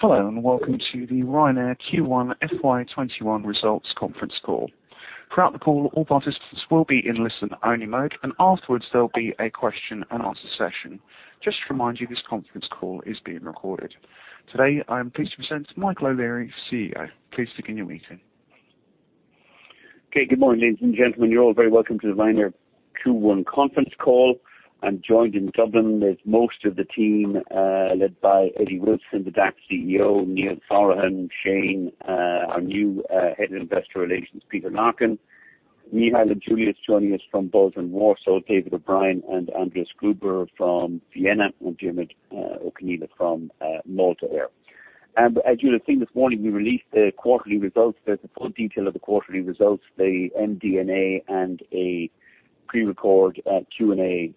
Hello, welcome to the Ryanair Q1 FY 2021 results conference call. Throughout the call, all participants will be in listen-only mode, and afterwards there'll be a question and answer session. Just to remind you, this conference call is being recorded. Today, I am pleased to present Michael O'Leary, CEO. Please begin your meeting. Okay. Good morning, ladies and gentlemen. You're all very welcome to the Ryanair Q1 conference call. I'm joined in Dublin with most of the team, led by Eddie Wilson, the DAC CEO, Neil Sorahan and our new Head of Investor Relations, Peter Larkin. Michal and Juliusz joining us from both from Warsaw, David O'Brien and Andreas Gruber from Vienna, and Diarmuid O'Connell from Malta Air. As you'll have seen this morning, we released the quarterly results. There's the full detail of the quarterly results, the MD&A, and a pre-record Q&A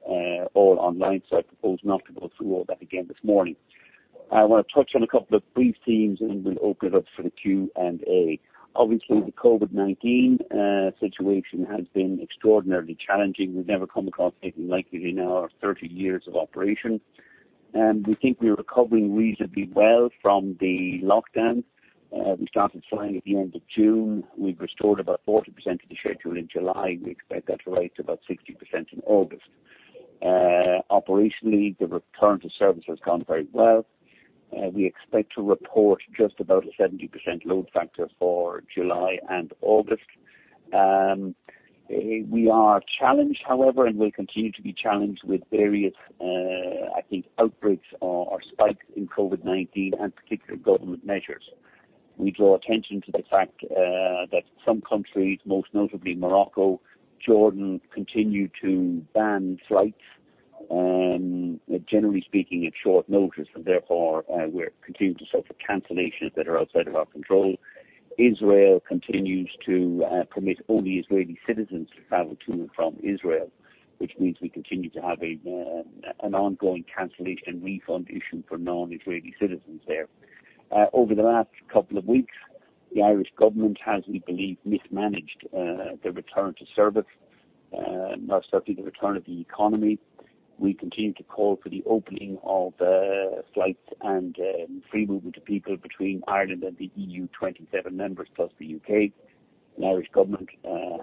all online, so I propose not to go through all that again this morning. I want to touch on a couple of brief themes, and we'll open it up for the Q&A. Obviously, the COVID-19 situation has been extraordinarily challenging. We've never come across anything like it in our 30 years of operation. We think we're recovering reasonably well from the lockdown. We started flying at the end of June. We've restored about 40% of the schedule in July. We expect that to rise to about 60% in August. Operationally, the return to service has gone very well. We expect to report just about a 70% load factor for July and August. We are challenged, however, and will continue to be challenged with various outbreaks or spikes in COVID-19. Particularly government measures, we draw attention to the fact that some countries, most notably Morocco, Jordan, continue to ban flights, generally speaking at short notice. Therefore we continue to suffer cancellations that are outside of our control. Israel continues to permit only Israeli citizens to travel to and from Israel, which means we continue to have an ongoing cancellation refund issue for non-Israeli citizens there. Over the last couple of weeks, the Irish government has, we believe, mismanaged the return to service, and has started the return of the economy. We continue to call for the opening of flights and free movement of people between Ireland and the EU 27 members plus the U.K. The Irish government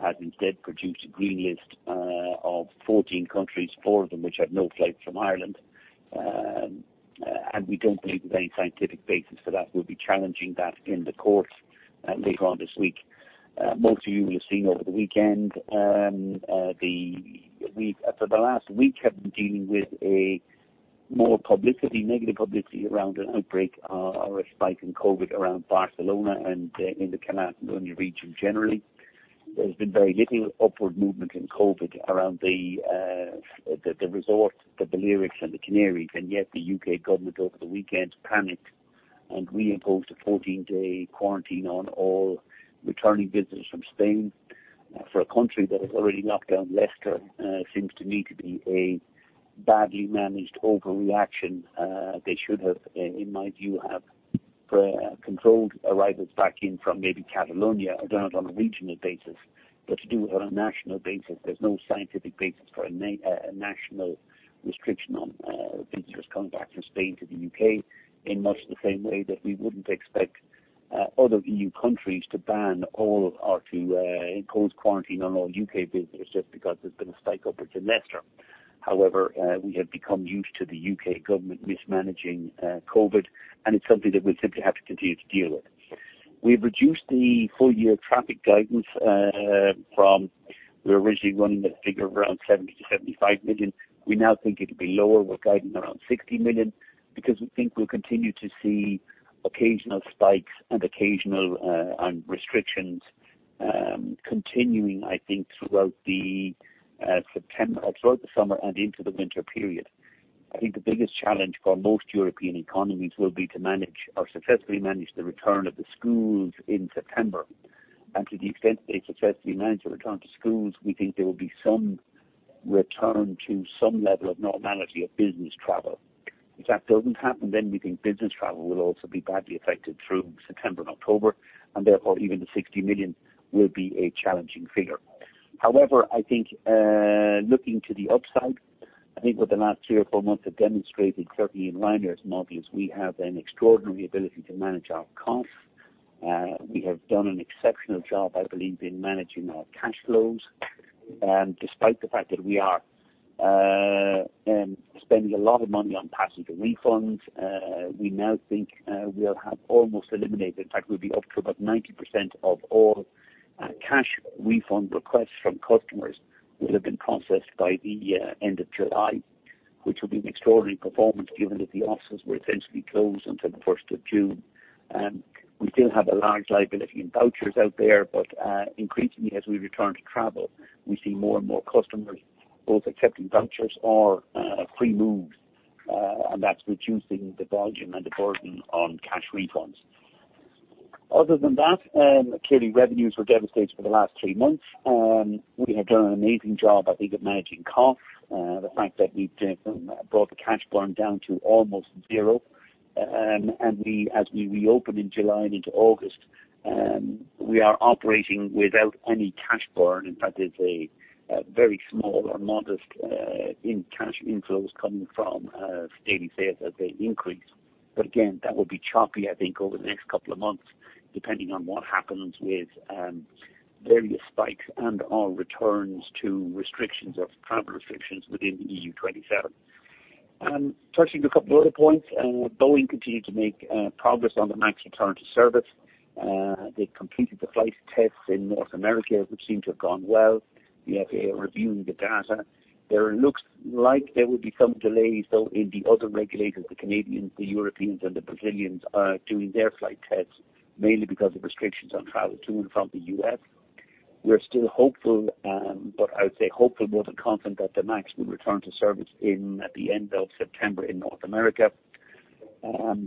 has instead produced a green list of 14 countries, four of them which have no flights from Ireland. We don't believe there's any scientific basis for that. We'll be challenging that in the court later on this week. Most of you will have seen over the weekend, for the last week, have been dealing with more publicity, negative publicity around an outbreak or a spike in COVID around Barcelona and in the Catalonia region generally. There's been very little upward movement in COVID around the resorts, the Balearics, and the Canaries. Yet, the U.K. government over the weekend panicked and re-imposed a 14-day quarantine on all returning visitors from Spain. For a country that has already locked down Leicester seems to me to be a badly managed overreaction. They should have, in my view, controlled arrivals back in from maybe Catalonia, done it on a regional basis. To do it on a national basis, there's no scientific basis for a national restriction on visitors coming back from Spain to the U.K., in much the same way that we wouldn't expect other EU countries to ban or to impose quarantine on all U.K. visitors just because there's been a spike upwards in Leicester. However, we have become used to the U.K. government mismanaging COVID-19. It's something that we simply have to continue to deal with. We've reduced the full-year traffic guidance from we were originally running the figure of around 70 million to 75 million. We now think it'll be lower. We're guiding around 60 million because we think we'll continue to see occasional spikes and occasional restrictions continuing, I think, throughout the summer and into the winter period. I think the biggest challenge for most European economies will be to manage or successfully manage the return of the schools in September. To the extent they successfully manage the return to schools, we think there will be some return to some level of normality of business travel. If that doesn't happen, then we think business travel will also be badly affected through September and October, and therefore even the 60 million will be a challenging figure. However, I think looking to the upside, I think what the last three months or four months have demonstrated certainly in Ryanair is an obvious we have an extraordinary ability to manage our costs. We have done an exceptional job, I believe, in managing our cash flows. Despite the fact that we are spending a lot of money on passenger refunds, we now think we'll have almost eliminated. In fact, we'll be up to about 90% of all cash refund requests from customers will have been processed by the end of July, which will be an extraordinary performance given that the offices were essentially closed until the 1st of June. Increasingly as we return to travel, we see more and more customers both accepting vouchers or free moves, and that's reducing the volume and the burden on cash refunds. Other than that, clearly revenues were devastated for the last three months. We have done an amazing job, I think, of managing costs. The fact that we've brought the cash burn down to almost zero. As we reopen in July and into August, we are operating without any cash burn. In fact, it's a very small or modest in cash inflows coming from state aid as they increase. Again, that will be choppy, I think, over the next couple of months, depending on what happens with various spikes and/or returns to restrictions of travel restrictions within the EU 27. Touching a couple of other points. Boeing continued to make progress on the MAX return to service. They completed the flight tests in North America, which seem to have gone well. The FAA are reviewing the data. There looks like there will be some delays, though, in the other regulators, the Canadians, the Europeans, and the Brazilians are doing their flight tests, mainly because of restrictions on travel to and from the U.S. We're still hopeful, and but I would say hopeful more than confident that the MAX will return to service in the end of September in North America.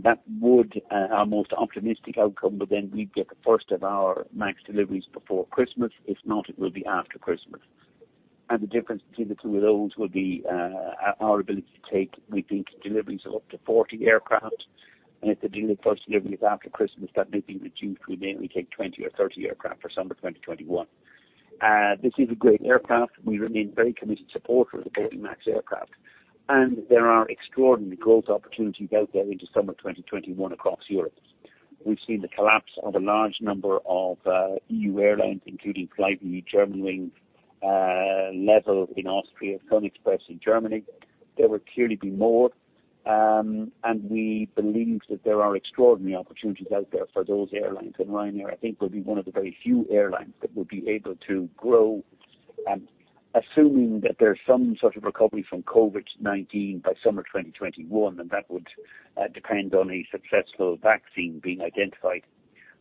That would our most optimistic outcome, but then we'd get the first of our MAX deliveries before Christmas. If not, it will be after Christmas. The difference between the two of those will be our ability to take, we think, deliveries of up to 40 aircraft. If they do the first delivery is after Christmas, that may be reduced. We may only take 20 or 30 aircraft for summer 2021. This is a great aircraft. We remain very committed supporters of Boeing MAX aircraft. There are extraordinary growth opportunities out there into summer 2021 across Europe. We've seen the collapse of a large number of EU airlines, including Flybe and Germanwings, LEVEL in Austria, SunExpress in Germany. There will clearly be more. We believe that there are extraordinary opportunities out there for those airlines. Ryanair, I think, will be one of the very few airlines that will be able to grow, assuming that there's some sort of recovery from COVID-19 by summer 2021, and that would depend on a successful vaccine being identified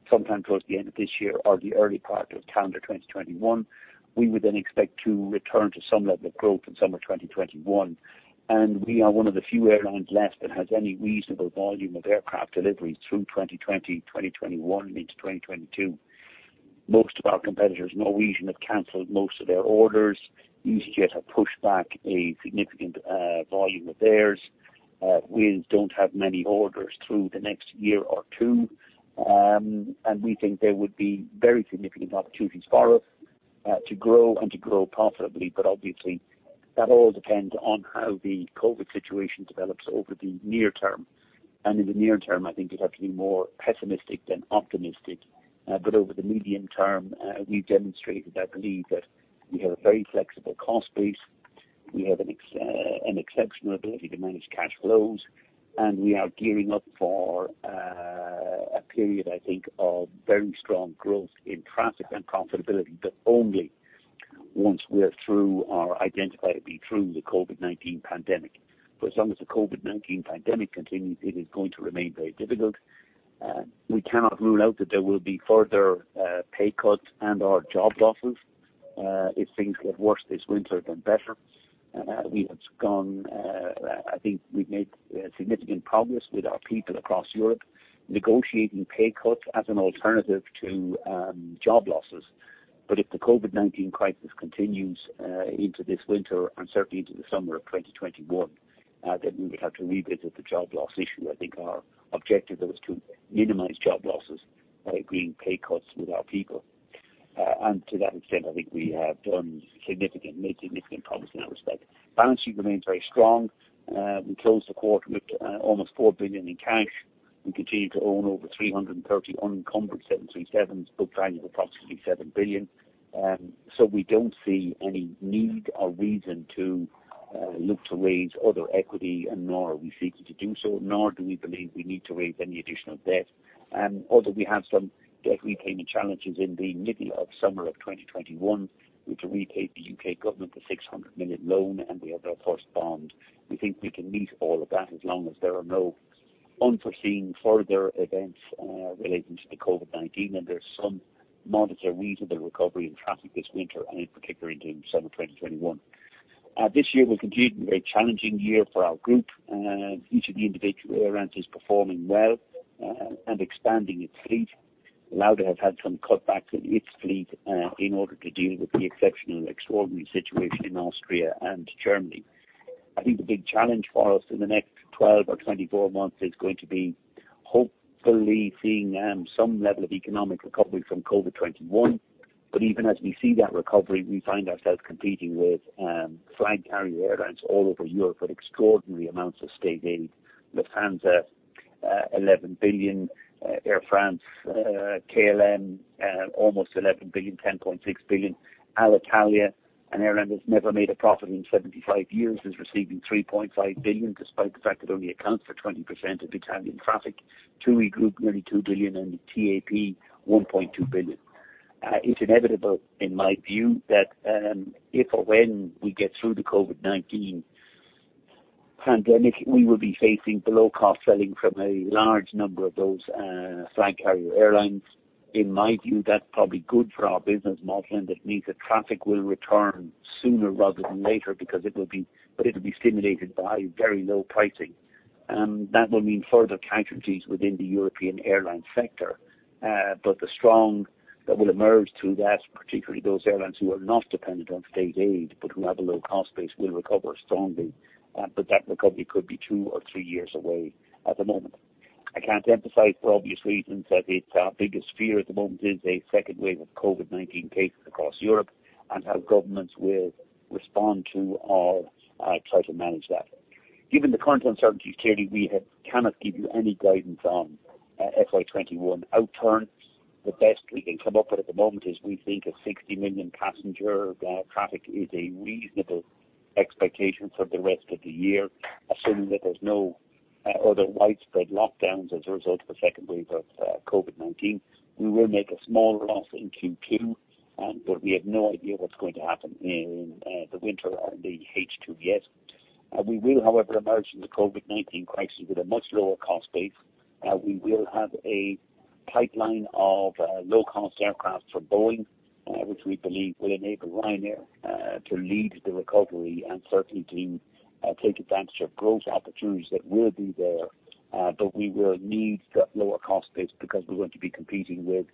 sometime towards the end of this year or the early part of calendar 2021. We would expect to return to some level of growth in summer 2021. We are one of the few airlines left that has any reasonable volume of aircraft deliveries through 2020, 2021 into 2022. Most of our competitors, Norwegian have canceled most of their orders. easyJet have pushed back a significant volume of theirs. We don't have many orders through the next year or two. We think there would be very significant opportunities for us to grow and to grow profitably. But obviously, that all depends on how the COVID situation develops over the near term. In the near term, I think you'd have to be more pessimistic than optimistic. Over the medium term, we've demonstrated, I believe, that we have a very flexible cost base. We have an exceptional ability to manage cash flows. We are gearing up for a period, I think, of very strong growth in traffic and profitability, but only once we're through or identified to be through the COVID-19 pandemic. For as long as the COVID-19 pandemic continues, it is going to remain very difficult. We cannot rule out that there will be further pay cuts and/or job losses if things get worse this winter than better. I think we've made significant progress with our people across Europe negotiating pay cuts as an alternative to job losses. If the COVID-19 crisis continues into this winter and certainly into the summer of 2021, then we would have to revisit the job loss issue. I think our objective there was to minimize job losses by agreeing pay cuts with our people. To that extent, I think we have made significant progress in that respect. Balance sheet remains very strong. We closed the quarter with almost 4 billion in cash. We continue to own over 330 unencumbered 737s, book value approximately 7 billion. We don't see any need or reason to look to raise other equity, and nor are we seeking to do so, nor do we believe we need to raise any additional debt. Although we have some debt repayment challenges in the middle of summer of 2021. We have to repay the U.K. government the 600 million loan, and we have our first bond. We think we can meet all of that as long as there are no unforeseen further events relating to the COVID-19, and there's some modest or reasonable recovery in traffic this winter and in particular into summer 2021. This year will continue to be a very challenging year for our group. Each of the individual airlines is performing well and expanding its fleet. Lauda have had some cutbacks in its fleet in order to deal with the exceptional extraordinary situation in Austria and Germany. I think the big challenge for us in the next 12 or 24 months is going to be hopefully seeing some level of economic recovery from COVID 2021. Even as we see that recovery, we find ourselves competing with flag carrier airlines all over Europe with extraordinary amounts of state aid. Lufthansa, $11 billion. Air France, KLM, almost $11 billion, $10.6 billion. Alitalia, an airline that's never made a profit in 75 years, is receiving $3.5 billion, despite the fact it only accounts for 20% of Italian traffic. TUI Group, nearly $2 billion, and TAP, $1.2 billion. It's inevitable, in my view, that if or when we get through the COVID-19 pandemic, we will be facing below cost selling from a large number of those flag carrier airlines. In my view, that's probably good for our business model, and it means that traffic will return sooner rather than later because it'll be stimulated by very low pricing. That will mean further casualties within the European airline sector. But the strong, that will emerge through that, particularly those airlines who are not dependent on state aid, but who have a low cost base will recover strongly. That recovery could be two or three years away at the moment. I can't emphasize for obvious reasons, that our biggest fear at the moment is a second wave of COVID-19 cases across Europe, and how governments will respond to or try to manage that. Given the current uncertainties, clearly we cannot give you any guidance on FY 2021 outturns. The best we can come up with at the moment is we think a 60-million-passenger traffic is a reasonable expectation for the rest of the year, assuming that there's no other widespread lockdowns as a result of a second wave of COVID-19. We will make a small loss in Q2, but we have no idea what's going to happen in the winter or the H2 yet. We will, however, emerge from the COVID-19 crisis with a much lower cost base. We will have a pipeline of low-cost aircraft from Boeing, which we believe will enable Ryanair to lead the recovery and certainly to take advantage of growth opportunities that will be there. We will need that lower cost base because we're going to be competing with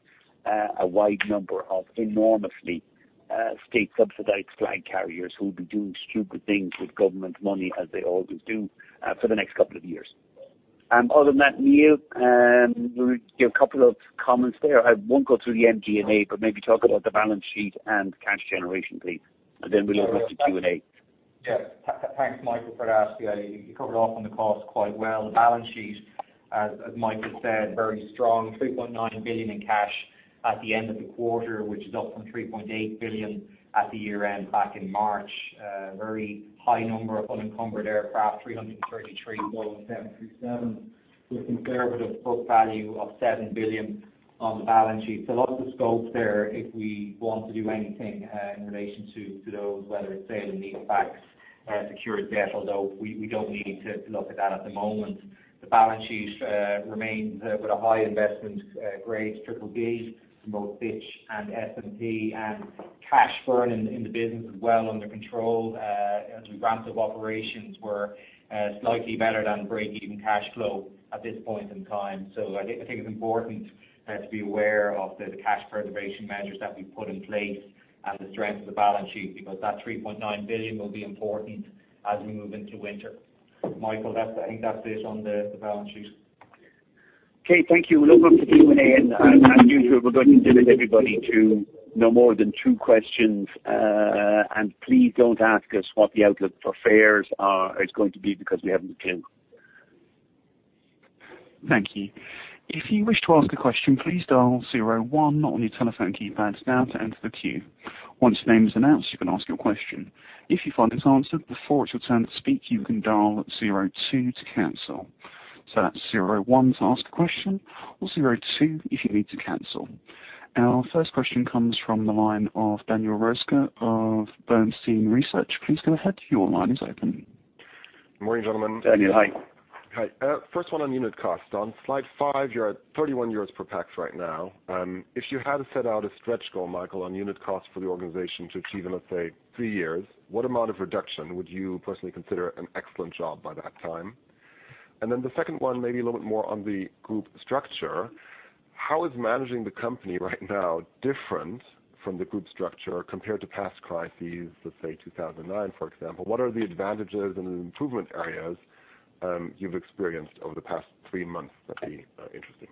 a wide number of enormously state-subsidized flag carriers who will be doing stupid things with government money, as they always do for the next couple of years. Other than that, Neil, there were a couple of comments there. I won't go through the MD&A, but maybe talk about the balance sheet and cash generation, please, and then we'll open up the Q&A. Yeah. Thanks, Michael, for asking. You covered off on the cost quite well. The balance sheet, as Michael said, very strong. 3.9 billion in cash at the end of the quarter, which is up from 3.8 billion at the year-end back in March. A very high number of unencumbered aircraft, 333 Boeing 737, with a conservative book value of 7 billion on the balance sheet. Lots of scope there if we want to do anything in relation to those, whether it's sale and leasebacks, secured debt, although we don't need to look at that at the moment. The balance sheet remains with a high investment grade BBB from both Fitch and S&P. Cash burn in the business is well under control. As we ramp up operations, we're slightly better than breakeven cash flow at this point in time. I think it's important to be aware of the cash preservation measures that we've put in place and the strength of the balance sheet, because that 3.9 billion will be important as we move into winter. Michael, I think that's it on the balance sheet. Okay, thank you. We'll open up the Q&A, and as usual, we're going to limit everybody to no more than two questions. And please don't ask us what the outlook for fares is going to be, because we haven't a clue. Thank you. If you wish to ask a question, please dial zero-one on your telephone keypads now to enter the queue. Once your name is announced, you can ask your question. If you find it answered before it's your turn to speak, you can dial zero-two to cancel. That's zero-one to ask a question or zero-two if you need to cancel. Our first question comes from the line of Daniel Roeska of Bernstein Research. Please go ahead. Your line is open. Morning, gentlemen. Daniel, hi. Hi. First one on unit cost. On slide five, you're at 31 euros per pax right now. If you had to set out a stretch goal, Michael, on unit cost for the organization to achieve in, let's say, three years, what amount of reduction would you personally consider an excellent job by that time? Then, the second one, maybe a little bit more on the group structure. How is managing the company right now different from the group structure compared to past crises, let's say 2009, for example? What are the advantages and improvement areas you've experienced over the past three months that would be interesting?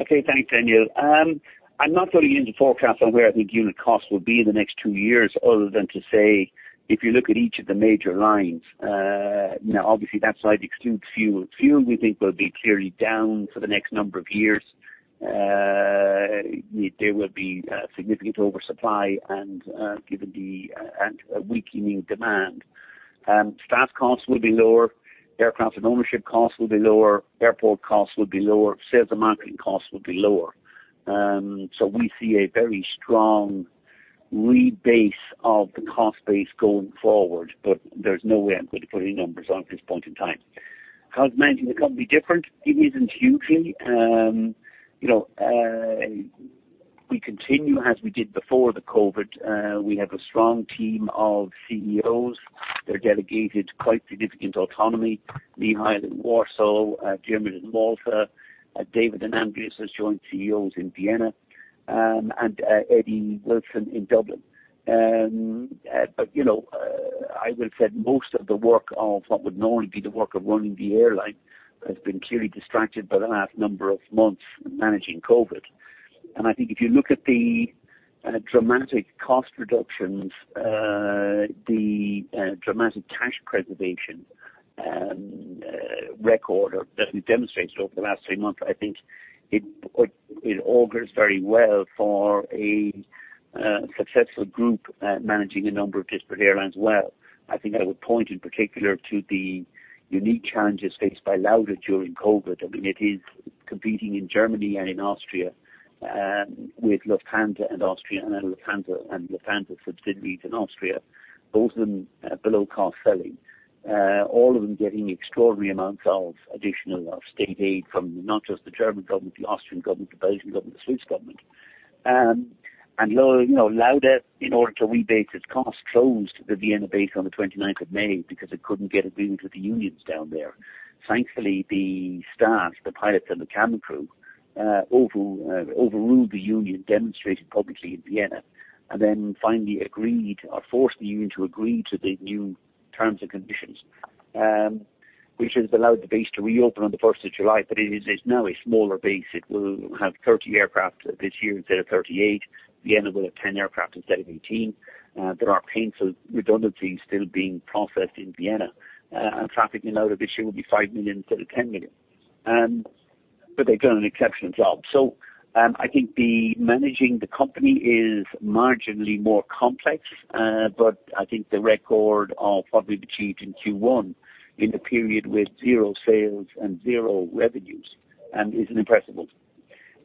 Okay. Thanks, Daniel. I'm not going into forecasts on where I think unit cost will be in the next two years other than to say if you look at each of the major lines, now obviously that slide excludes fuel. Fuel we think will be clearly down for the next number of years. There will be significant oversupply and weakening demand. Staff costs will be lower, aircraft and ownership costs will be lower, airport costs will be lower, sales and marketing costs will be lower. We see a very strong rebase of the cost base going forward, but there's no way I'm going to put any numbers on at this point in time. How is managing the company different? It isn't hugely. We continue as we did before the COVID-19. We have a strong team of CEOs. They're delegated quite significant autonomy. Michal in Warsaw, Diarmuid in Malta, David and Andreas as joint CEOs in Vienna, Eddie Wilson in Dublin. But I would have said most of the work of what would normally be the work of running the airline has been clearly distracted by the last number of months managing COVID. I think if you look at the dramatic cost reductions, the dramatic cash preservation record that we've demonstrated over the last three months, I think it augurs very well for a successful group managing a number of disparate airlines well. I mean, I would point in particular to the unique challenges faced by Lauda during COVID. It is competing in Germany and in Austria with Lufthansa and Austrian and Lufthansa subsidiaries in Austria, both of them below cost selling. All of them getting extraordinary amounts of additional state aid from not just the German government, the Austrian government, the Belgian government, the Swiss government. Lauda, in order to rebate its costs, closed the Vienna base on the 29th of May because it couldn't get agreement with the unions down there. Thankfully, the staff, the pilots, and the cabin crew overruled the union, demonstrated publicly in Vienna, and then finally agreed or forced the union to agree to the new terms and conditions, which has allowed the base to reopen on the 1st of July. It is now a smaller base. It will have 30 aircraft this year instead of 38 aircraft. Vienna will have 10 aircraft instead of 18. There are painful redundancies still being processed in Vienna, and traffic in Lauda this year will be 5 million instead of 10 million. They've done an exceptional job. I think the managing the company is marginally more complex. I think the record of what we've achieved in Q1, in the period with zero sales and zero revenues, is an impressive one.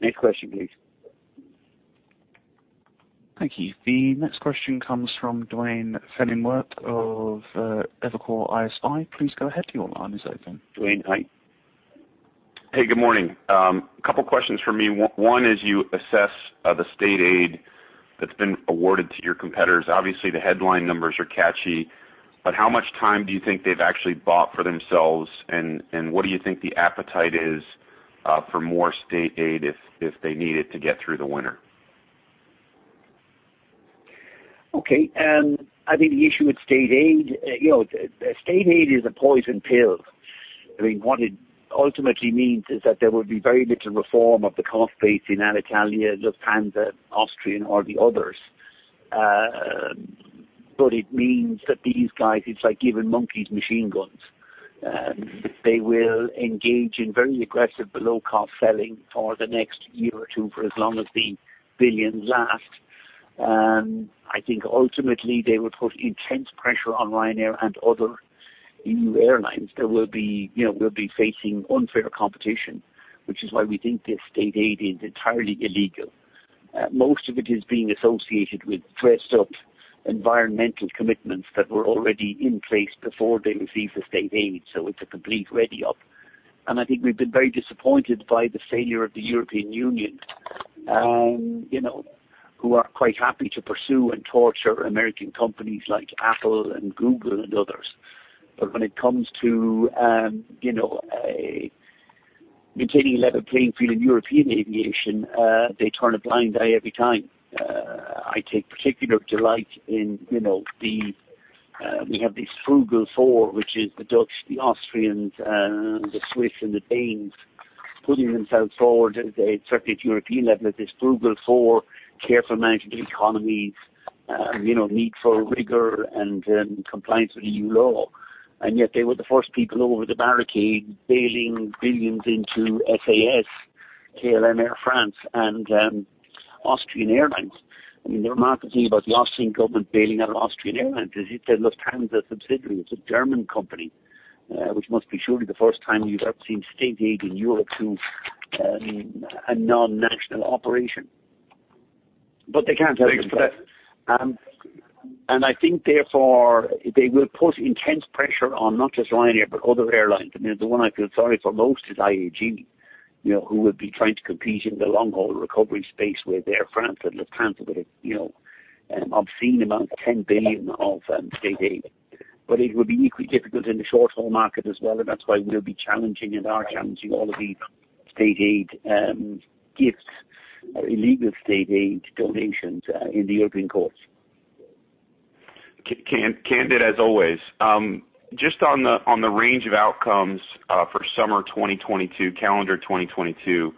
Next question, please. Thank you. The next question comes from Duane Pfennigwerth of Evercore ISI. Please go ahead. Your line is open. Duane, hi. Hey, good morning. A couple of questions from me. One is you assess the state aid that's been awarded to your competitors. Obviously, the headline numbers are catchy, but how much time do you think they've actually bought for themselves, and what do you think the appetite is for more state aid if they need it to get through the winter? I think the issue with state aid, state aid is a poison pill. What it ultimately means is that there will be very little reform of the cost base in Alitalia, Lufthansa, Austrian, or the others. It means that these guys, it's like giving monkeys machine guns. They will engage in very aggressive below-cost selling for the next year or two, for as long as the billions last. I think ultimately they will put intense pressure on Ryanair and other EU airlines. So, we'll be facing unfair competition, which is why we think this state aid is entirely illegal. Most of it is being associated with dressed-up environmental commitments that were already in place before they received the state aid. It's a complete rip-off. I think we've been very disappointed by the failure of the European Union who are quite happy to pursue and torture American companies like Apple and Google and others. When it comes to maintaining a level playing field in European aviation, they turn a blind eye every time. I take particular delight in We have these Frugal Four, which is the Dutch, the Austrians, the Swiss, and the Danes, putting themselves forward certainly at European level as this Frugal Four, careful management of economies, need for rigor and compliance with EU law. Yet they were the first people over the barricade bailing billions into SAS, KLM, Air France, and Austrian Airlines. The remarkable thing about the Austrian government bailing out Austrian Airlines is it's a Lufthansa subsidiary. It's a German company. Which must be surely the first time you've ever seen state aid in Europe to a non-national operation. They can't help themselves. Thanks for that. I think therefore, they will put intense pressure on not just Ryanair, but other airlines. The one I feel sorry for most is IAG who will be trying to compete in the long-haul recovery space with Air France and Lufthansa with an obscene amount, 10 billion of state aid. It will be equally difficult in the short-haul market as well, and that's why we'll be challenging and are challenging all of these state aid gifts, illegal state aid donations in the European courts. Candid as always. Just on the range of outcomes for summer 2022, calendar 2022.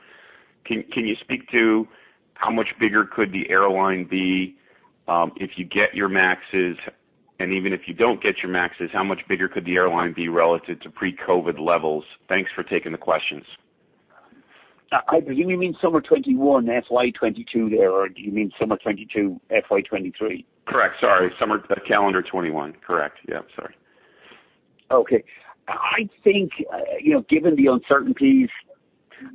Can you speak to how much bigger could the airline be if you get your MAX's? Even if you don't get your MAX's, how much bigger could the airline be relative to pre-COVID levels? Thanks for taking the questions. Do you mean summer 2021, FY 2022 there, or do you mean summer 2022, FY 2023? Correct. Sorry. Summer calendar 2021. Correct. Yeah, sorry. I think given the uncertainties,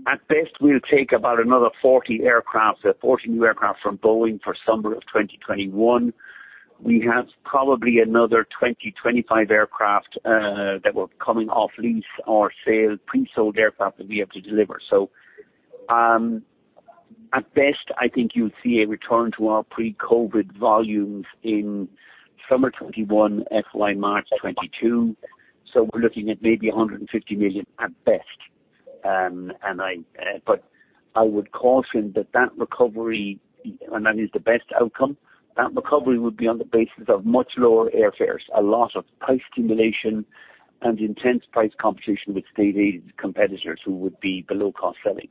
at best, we'll take about another 40 aircraft, 40 new aircraft from Boeing for summer of 2021. We have probably another 20-25 aircraft that were coming off lease or sale, pre-sold aircraft that we have to deliver. At best, I think you'll see a return to our pre-COVID volumes in summer 2021, FY March 2022. We're looking at maybe 150 million at best. I would caution that that recovery, and that is the best outcome, that recovery would be on the basis of much lower airfares, a lot of price stimulation, and intense price competition with state-aided competitors who would be below-cost selling.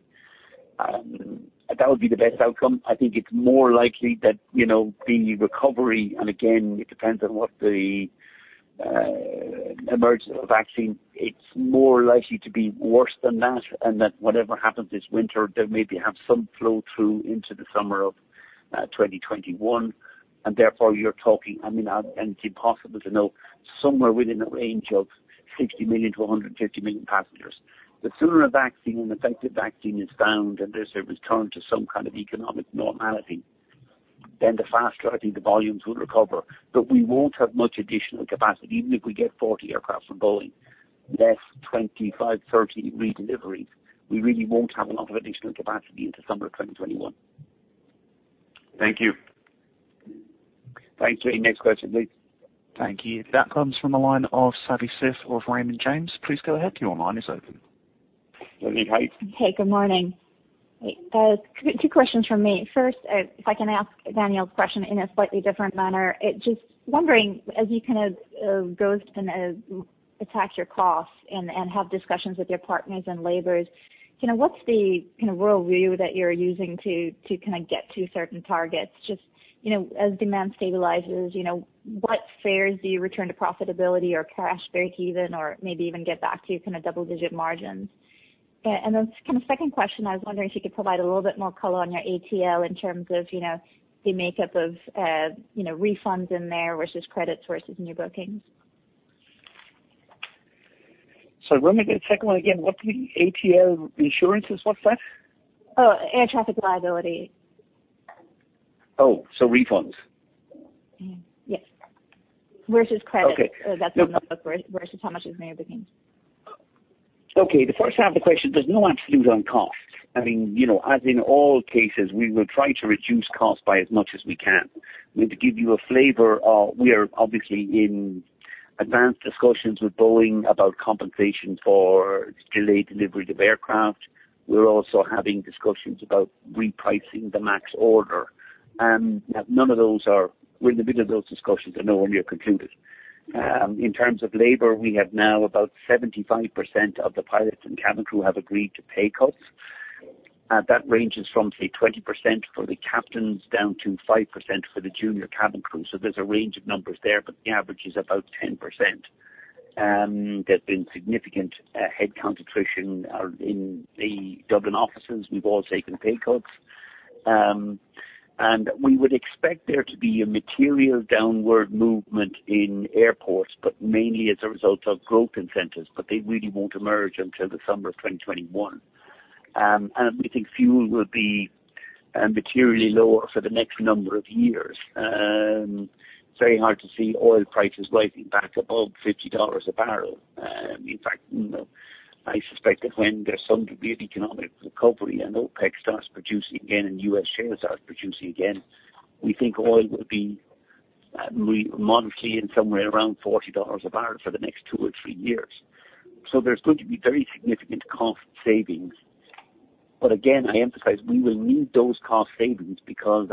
That would be the best outcome. I think it's more likely that the recovery, and again, it depends on what the emergence of a vaccine, it's more likely to be worse than that, and that whatever happens this winter, they'll maybe have some flow-through into the summer of 2021. Therefore, you're talking, and it's impossible to know, somewhere within a range of 60 million-150 million passengers. The sooner a vaccine, an effective vaccine is found, and there's a return to some kind of economic normality. The faster I think the volumes will recover. We won't have much additional capacity. Even if we get 40 aircraft from Boeing, less 25-30 redeliveries. We really won't have a lot of additional capacity into summer 2021. Thank you. Thanks. Next question, please. Thank you. That comes from the line of Savi Syth of Raymond James. Please go ahead. Your line is open. Savi, hi. Hey, good morning. Two questions from me. First, if I can ask Daniel's question in a slightly different manner. Just wondering, as you kind of go and attack your costs and have discussions with your partners and laborers, what's the kind of world view that you're using to kind of get to certain targets? Just, as demand stabilizes, what fares do you return to profitability or cash breakeven or maybe even get back to kind of double-digit margins? Kind of second question, I was wondering if you could provide a little bit more color on your ATL in terms of the makeup of refunds in there versus credits versus new bookings. Sorry, remind me of the second one again. What's the ATL insurances? What's that? Oh, air traffic liability. Oh, refunds. Yes. Versus credits. Okay. That's another question. Versus how much is new bookings. The first half of the question, there's no absolute on cost. I mean, as in all cases, we will try to reduce costs by as much as we can. I mean, to give you a flavor, we are obviously in advanced discussions with Boeing about compensation for delayed delivery of aircraft. We're also having discussions about repricing the MAX order. We're in the middle of those discussions. They're nowhere near concluded. In terms of labor, we have now about 75% of the pilots and cabin crew have agreed to pay cuts. That ranges from say, 20% for the captains down to 5% for the junior cabin crew. There's a range of numbers there, but the average is about 10%. There've been significant headcount attrition in the Dublin offices. We've all taken pay cuts. We would expect there to be a material downward movement in airports, but mainly as a result of growth incentives. They really won't emerge until the summer of 2021. We think fuel will be materially lower for the next number of years. Very hard to see oil prices rising back above $50 a barrel. In fact, I suspect that when there's some degree of economic recovery and OPEC starts producing again and U.S. shale starts producing again, we think oil will be modestly in somewhere around $40 a barrel for the next two years or three years. There's going to be very significant cost savings. Again, I emphasize we will need those cost savings because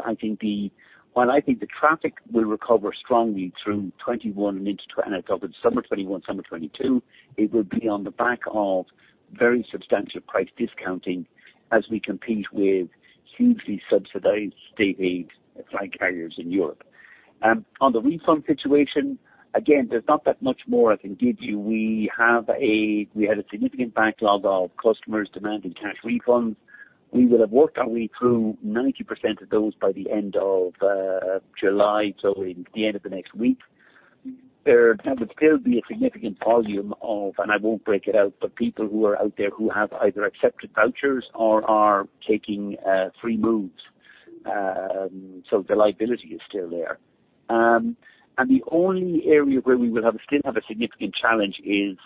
while I think the traffic will recover strongly through 2021 into summer 2021, summer 2022, it will be on the back of very substantial price discounting as we compete with hugely subsidized state aid flight carriers in Europe. On the refund situation, again, there's not that much more I can give you. We had a significant backlog of customers demanding cash refunds. We will have worked our way through 90% of those by the end of July, so the end of the next week. There would still be a significant volume of, and I won't break it out, but people who are out there who have either accepted vouchers or are taking free moves. The liability is still there. The only area where we will still have a significant challenge is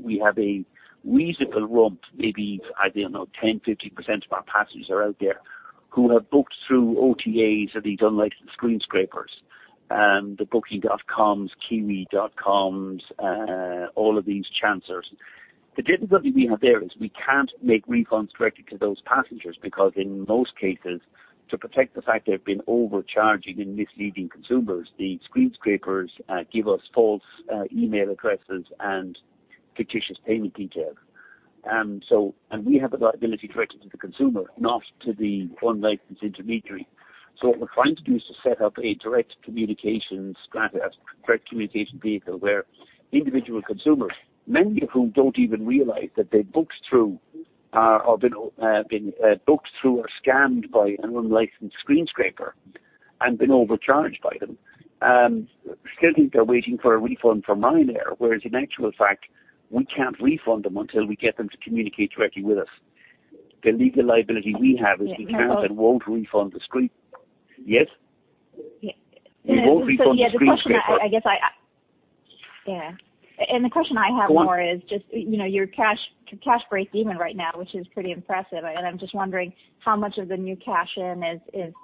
we have a reasonable rump, maybe, I don't know, 10%-15% of our passengers are out there who have booked through OTAs of these unlicensed screen scrapers. The booking.coms, kiwi.coms, all of these chancers. The difficulty we have there is we can't make refunds directly to those passengers because in most cases, to protect the fact they've been overcharging and misleading consumers, the screen scrapers give us false email addresses and fictitious payment details. We have a liability directly to the consumer, not to the unlicensed intermediary. What we're trying to do is to set up a direct communication strategy, a direct communication vehicle where individual consumers, many of whom don't even realize that they've booked through a scammed by an unlicensed screen scraper and been overcharged by them. They're waiting for a refund from Ryanair, whereas in actual fact, we can't refund them until we get them to communicate directly with us. The legal liability we have is we can't and won't refund them. Yes? Yeah. We won't refund the screen scraper. The question I have more is. Go on. Your cash breakeven right now, which is pretty impressive. I'm just wondering how much of the new cash in is,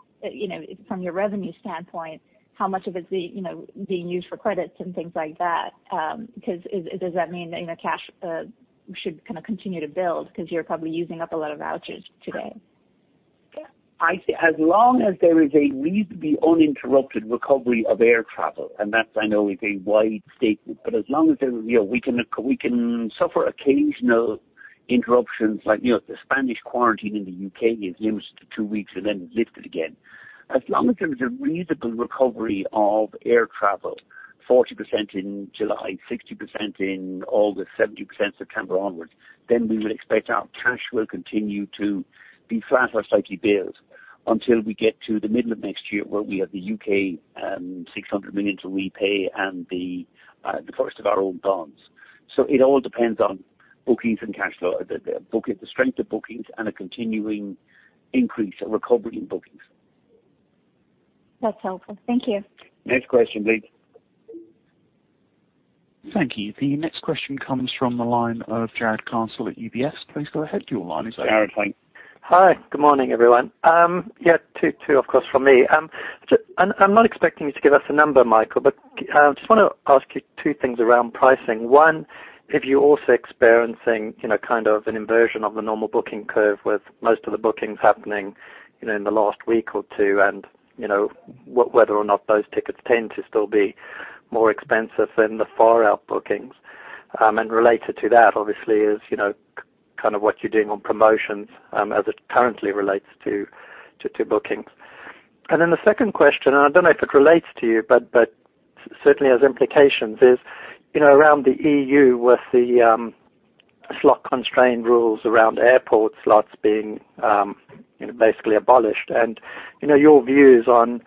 from your revenue standpoint, how much of it's being used for credits and things like that? Does that mean that cash should kind of continue to build because you're probably using up a lot of vouchers today? As long as there is a reasonably uninterrupted recovery of air travel, and that I know is a wide statement. We can suffer occasional interruptions like the Spanish quarantine in the U.K. is limited to two weeks and then lifted again. As long as there is a reasonable recovery of air travel, 40% in July, 60% in August, 70% September onwards, we will expect our cash will continue to be flat or slightly build until we get to the middle of next year where we have the U.K. 600 million to repay and the first of our own bonds. So, it all depends on bookings and cash flow, the strength of bookings and a continuing increase, a recovery in bookings. That's helpful. Thank you. Next question, please. Thank you. The next question comes from the line of Jarrod Castle at UBS. Please go ahead. Your line is open. Jarrod, hi. Hi. Good morning, everyone. Yeah, two, of course, from me. I'm not expecting you to give us a number, Michael, but I just want to ask you two things around pricing. One, if you're also experiencing kind of an inversion of the normal booking curve with most of the bookings happening in the last week or two and, whether or not those tickets tend to still be more expensive than the far-out bookings. Related to that, obviously is, kind of what you're doing on promotions, as it currently relates to bookings. The second question, and I don't know if it relates to you, but certainly has implications, is, around the EU with the slot constraint rules around airport slots being basically abolished. Your views on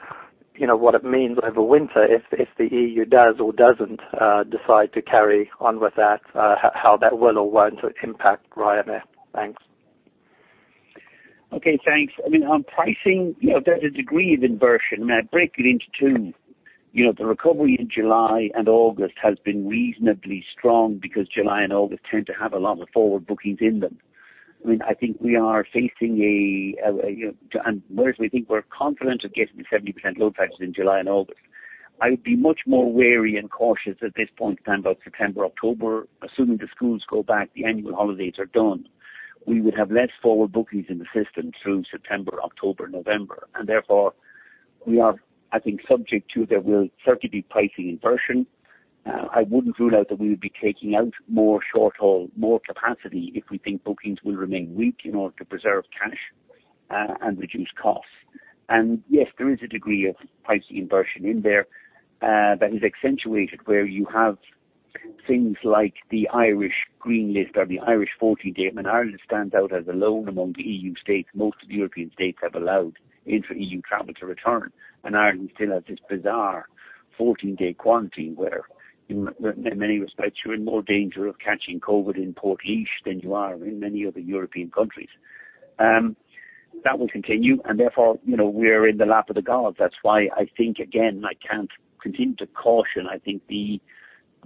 what it means over winter if the EU does or doesn't decide to carry on with that, how that will or won't impact Ryanair. Thanks. Okay, thanks. On pricing, there's a degree of inversion. I break it into two. The recovery in July and August has been reasonably strong because July and August tend to have a lot of forward bookings in them. I think we are chasing a, we think we're confident of getting the 70% load factors in July and August. I would be much more wary and cautious at this point in time, about September, October, assuming the schools go back, the annual holidays are done. We would have less forward bookings in the system through September, October, November, we are, I think, subject to there will certainly be pricing inversion. I wouldn't rule out that we would be taking out more short-haul, more capacity if we think bookings will remain weak in order to preserve cash and reduce costs. Yes, there is a degree of pricing inversion in there that is accentuated where you have things like the Irish green list or the Irish 14-day. Ireland stands out as alone among the EU states. Most of the European states have allowed intra-EU travel to return. Ireland still has this bizarre 14-day quarantine where in many respects you're in more danger of catching COVID in Portlaoise than you are in many other European countries. That will continue, and therefore, we're in the lap of the gods. That's why I think, again, I can't continue to caution. I think the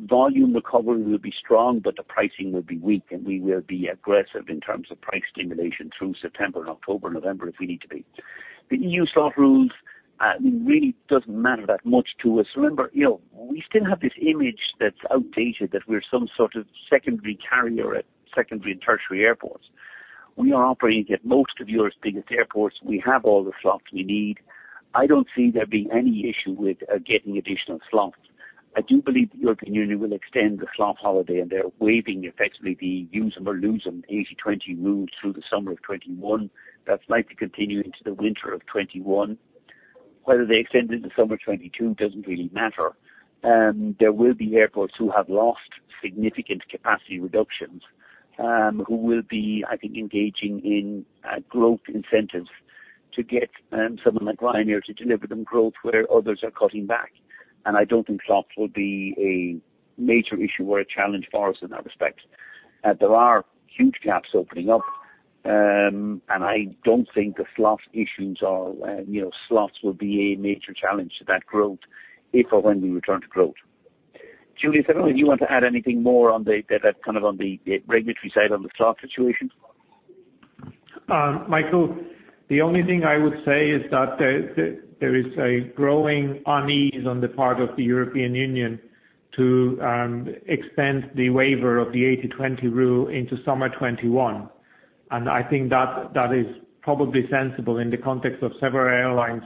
volume recovery will be strong, but the pricing will be weak, and we will be aggressive in terms of price stimulation through September and October, November if we need to be. The EU slot rules, it really doesn't matter that much to us. Remember, we still have this image that's outdated, that we're some sort of secondary carrier at secondary and tertiary airports. We are operating at most of Europe's biggest airports. We have all the slots we need. I don't see there being any issue with getting additional slots. I do believe the European Union will extend the slot holiday, they're waiving effectively the use them or lose them 80/20 rules through the summer of 2021. That's likely to continue into the winter of 2021. Whether they extend into summer 2022 doesn't really matter. There will be airports who have lost significant capacity reductions, who will be, I think, engaging in growth incentives to get someone like Ryanair to deliver them growth where others are cutting back. I don't think slots will be a major issue or a challenge for us in that respect. There are huge gaps opening up. I don't think the slot issues or slots will be a major challenge to that growth if or when we return to growth. Juliusz, I don't know if you want to add anything more on the regulatory side on the slot situation. Michael, the only thing I would say is that there is a growing unease on the part of the European Union to extend the waiver of the 80/20 rule into summer 2021. I think that is probably sensible in the context of several airlines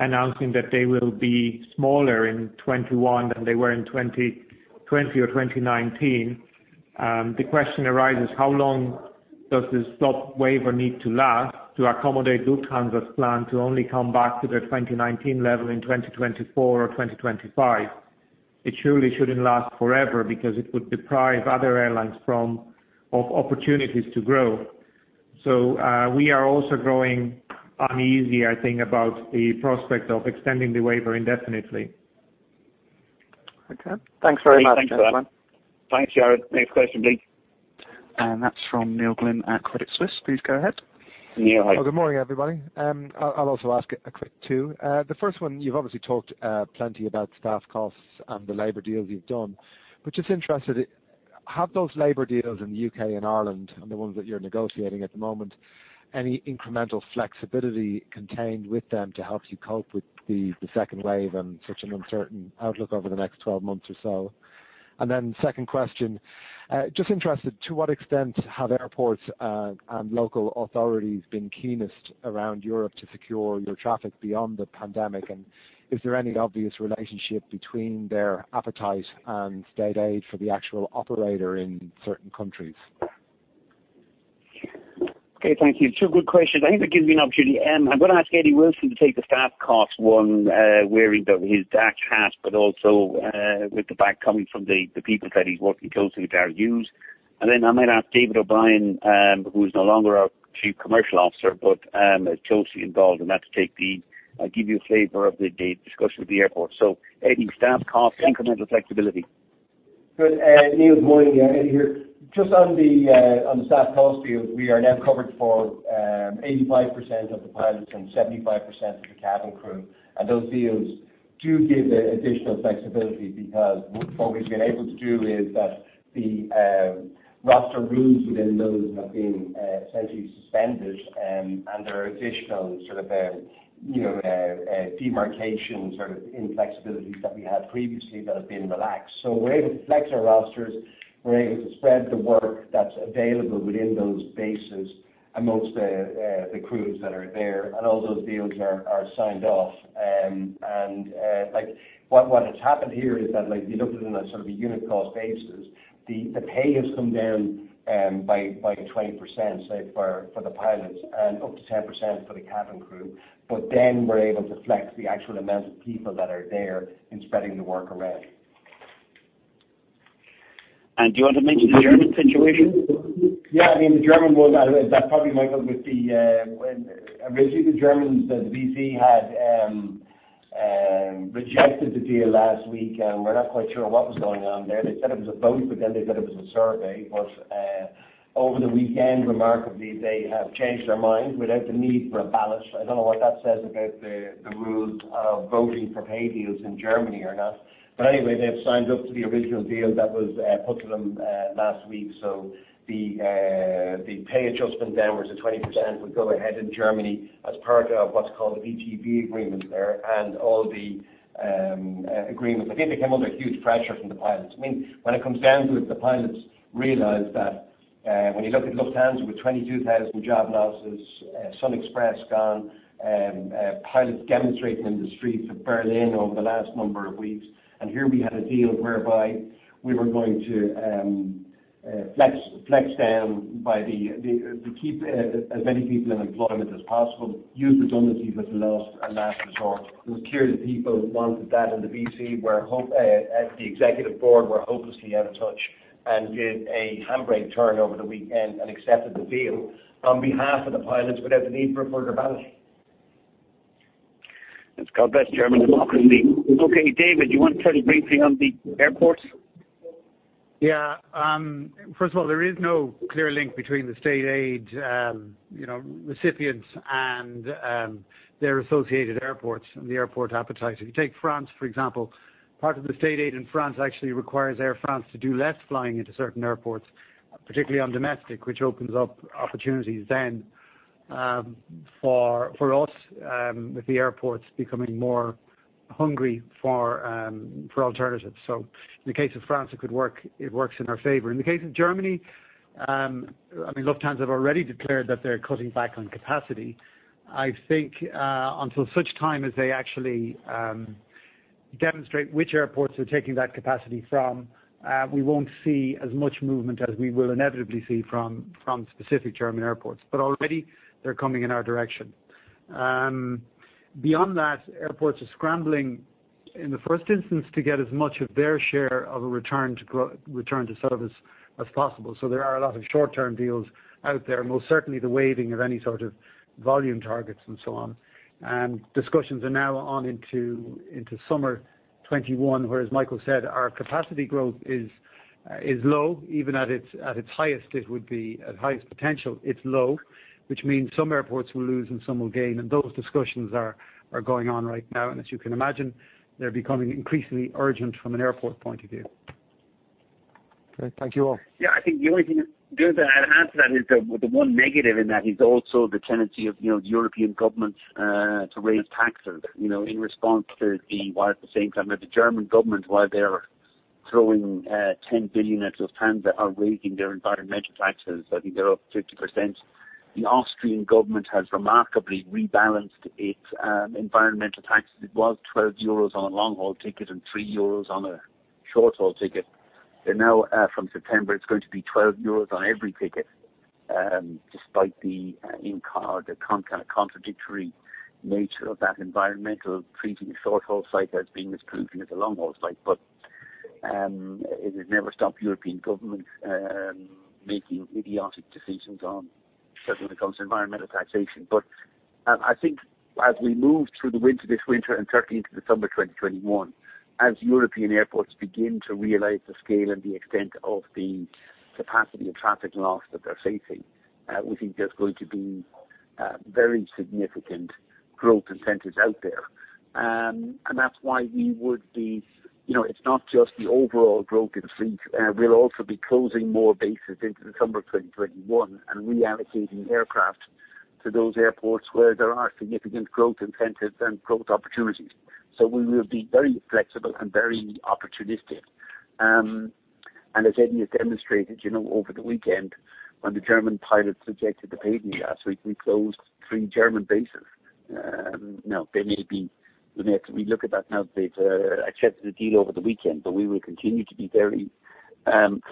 announcing that they will be smaller in 2021 than they were in 2020 or 2019. The question arises, how long does the slot waiver need to last to accommodate Lufthansa's plan to only come back to their 2019 level in 2024 or 2025? It surely shouldn't last forever because it would deprive other airlines of opportunities to grow. So, we are also growing uneasy, I think, about the prospect of extending the waiver indefinitely. Okay. Thanks very much. Thanks, Jarrod. Next question, please. That's from Neil Glynn at Credit Suisse. Please go ahead. Neil, hi. Good morning, everybody. I'll also ask a quick two. The first one, you've obviously talked plenty about staff costs and the labor deals you've done, but just interested, have those labor deals in the U.K. and Ireland and the ones that you're negotiating at the moment, any incremental flexibility contained with them to help you cope with the second wave and such an uncertain outlook over the next 12 months or so? Then, second question, just interested, to what extent have airports and local authorities been keenest around Europe to secure your traffic beyond the pandemic? Is there any obvious relationship between their appetite and state aid for the actual operator in certain countries? Okay, thank you. Two good questions. I think that gives me an opportunity. I'm going to ask Eddie Wilson to take the staff cost one, wearing both his DAC hat, but also with the back coming from the people that he's working closely with. I might ask David O'Brien, who's no longer our Chief Commercial Officer but is closely involved in that, to give you a flavor of the discussion with the airport. Eddie, staff cost incremental flexibility. Good. Neil Glynn here. Just on the staff cost field, we are now covered for 85% of the pilots and 75% of the cabin crew. Those deals do give additional flexibility because what we've been able to do is that the roster rules within those have been essentially suspended, and there are additional demarcations or inflexibilities that we had previously that have been relaxed. We're able to flex our rosters. We're able to spread the work that's available within those bases amongst the crews that are there, and all those deals are signed off. What has happened here is that if you look at it on a unit cost basis, the pay has come down by 20%, say for the pilots, and up to 10% for the cabin crew. Then we're able to flex the actual amount of people that are there in spreading the work around. Do you want to mention the German situation? Yeah, the German one, that's probably Michael. Originally, the Germans, the VC had rejected the deal last week, and we're not quite sure what was going on there. They said it was a vote, they said it was a survey. Over the weekend, remarkably, they have changed their mind without the need for a ballot. I don't know what that says about the rules of voting for pay deals in Germany or not. They have signed up to the original deal that was put to them last week. The pay adjustment downwards of 20% would go ahead in Germany as part of what's called the MTV agreement there and all the agreements. I think they came under huge pressure from the pilots. When it comes down to it, the pilots realized that when you look at Lufthansa with 22,000 job losses, SunExpress gone, pilots demonstrating in the streets of Berlin over the last number of weeks, and here we had a deal whereby we were going to flex down to keep as many people in employment as possible, use redundancies as a last resort. It was clear that people wanted that in the VC, where the executive board were hopelessly out of touch and did a handbrake turn over the weekend and accepted the deal on behalf of the pilots without the need for a further ballot. It's called best German democracy. Okay, David, you want to tell us briefly on the airports? Yeah. First of all, there is no clear link between the state aid recipients and their associated airports and the airport appetite. If you take France, for example, part of the state aid in France actually requires Air France to do less flying into certain airports, particularly on domestic, which opens up opportunities then for us with the airports becoming more hungry for alternatives. In the case of France, it works in our favor. In the case of Germany, Lufthansa have already declared that they're cutting back on capacity. I think until such time as they actually demonstrate which airports they're taking that capacity from, we won't see as much movement as we will inevitably see from specific German airports. Already they're coming in our direction. Beyond that, airports are scrambling in the first instance to get as much of their share of a return to service as possible. There are a lot of short-term deals out there, most certainly the waiving of any sort of volume targets and so on. Discussions are now on into summer 2021, where, as Michael said, our capacity growth is low. Even at its highest potential, it's low, which means some airports will lose and some will gain. Those discussions are going on right now, and as you can imagine, they're becoming increasingly urgent from an airport point of view. Okay. Thank you all. Yeah, I think the only thing I'd add to that is the one negative in that is also the tendency of European governments to raise taxes in response to the war at the same time. The German government, while they're throwing 10 billion at Lufthansa, are raising their environmental taxes. I think they're up 50%. The Austrian government has remarkably rebalanced its environmental taxes. It was 12 euros on a long-haul ticket and 3 euros on a short-haul ticket, and now from September, it's going to be 12 euros on every ticket, despite the kind of contradictory nature of that environmental treating a short-haul site as being as polluting as a long-haul site. It has never stopped European governments making idiotic decisions on, certainly when it comes to environmental taxation. But I think as we move through this winter and certainly into the summer 2021, as European airports begin to realize the scale and the extent of the capacity of traffic loss that they're facing, we think there's going to be very significant growth incentives out there. That's why it's not just the overall broken fleet. We'll also be closing more bases into December 2021 and reallocating aircraft to those airports where there are significant growth incentives and growth opportunities. We will be very flexible and very opportunistic. As Eddie has demonstrated over the weekend when the German pilots rejected the pay deal last week, we closed three German bases. We may have to relook at that now that they've accepted the deal over the weekend, but we will continue to be very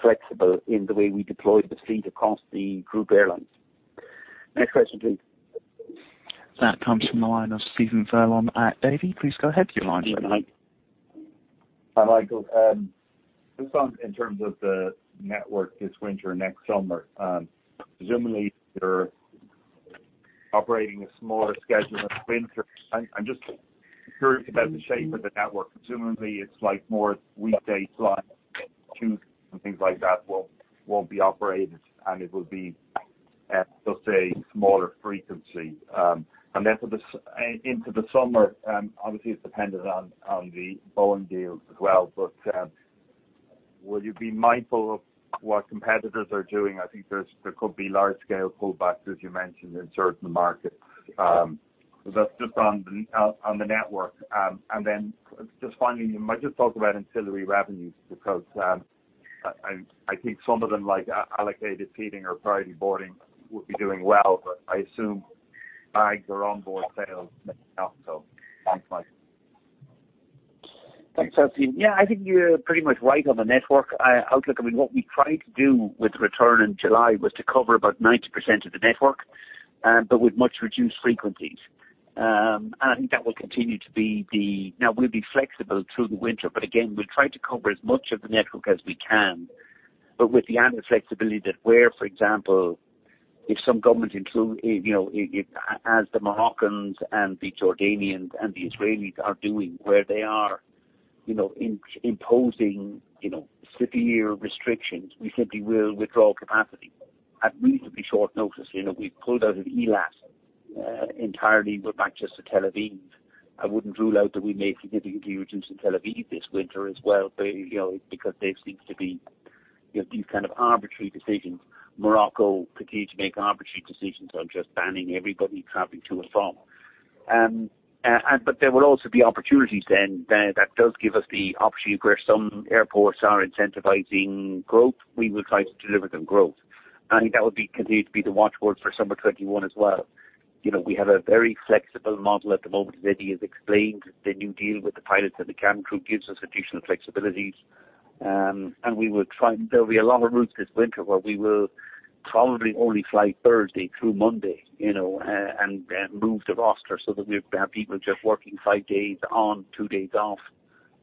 flexible in the way we deploy the fleet across the group airlines. Next question, please. That comes from the line of Stephen Furlong at Davy. Please go ahead. Your line's open. Hi, Michael. Just on in terms of the network this winter, next summer. Presumably you're operating a smaller schedule this winter. I'm just curious about the shape of the network. Presumably, it's more weekday slots, Tuesdays and things like that won't be operated, and it will be, let's say, smaller frequency. Into the summer, obviously it's dependent on the Boeing deal as well, but will you be mindful of what competitors are doing? I think there could be large-scale pullbacks, as you mentioned, in certain markets. That's just on the network. Then just finally, you might just talk about ancillary revenues because I think some of them, like allocated seating or priority boarding, will be doing well, but I assume bags or onboard sales. Thanks, Michael. Thanks, Stephen. Yeah, I think you're pretty much right on the network outlook. What we tried to do with the return in July was to cover about 90% of the network, but with much-reduced frequencies. We'll be flexible through the winter, but again, we'll try to cover as much of the network as we can. With the added flexibility that where, for example, if some government includes, as the Moroccans and the Jordanians and the Israelis are doing, where they are imposing severe restrictions, we simply will withdraw capacity at reasonably short notice. We pulled out of Eilat entirely, but back just to Tel Aviv. I wouldn't rule out that we may significantly reduce in Tel Aviv this winter as well, because there seems to be these kind of arbitrary decisions. Morocco continues to make arbitrary decisions on just banning everybody traveling to and from. There will also be opportunities that give us the opportunity where some airports are incentivizing growth, we will try to deliver them growth. I think that would be continued to be the watchword for summer 2021 as well. We have a very flexible model at the moment, as Eddie has explained. The new deal with the pilots and the cabin crew gives us additional flexibilities. There will be a lot of routes this winter where we will probably only fly Thursday through Monday, and move the roster so that we have people just working five days on, two days off,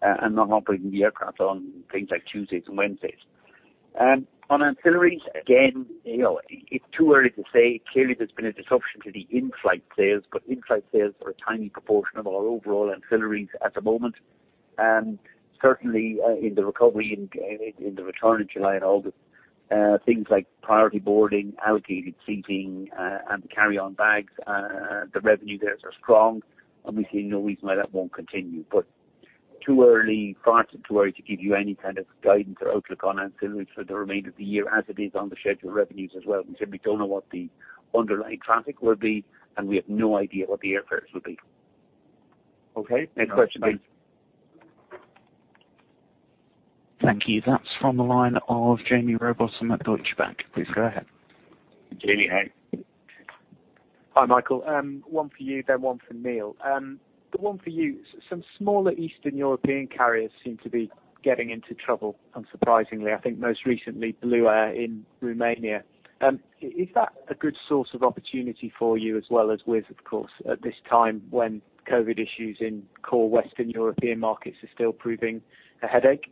and not operating the aircraft on things like Tuesdays and Wednesdays. On ancillaries, again, it is too early to say. Clearly, there's been a disruption to the in-flight sales, but in-flight sales are a tiny proportion of our overall ancillaries at the moment. Certainly, in the recovery, in the return in July and August, things like priority boarding, allocated seating, and the carry-on bags, the revenue there are strong. Obviously, no reason why that won't continue. It is too early, far too early to give you any kind of guidance or outlook on ancillaries for the remainder of the year as it is on the scheduled revenues as well. We simply don't know what the underlying traffic will be, and we have no idea what the airfares will be. Okay. Next question please. Thank you. That is from the line of Jaime Rowbotham at Deutsche Bank. Please go ahead. Jaime, hey. Hi, Michael. One for you, then one for Neil. The one for you, some smaller Eastern European carriers seem to be getting into trouble, unsurprisingly. I think most recently, Blue Air in Romania. Is that a good source of opportunity for you as well as Wizz, of course, at this time when COVID issues in core Western European markets are still proving a headache?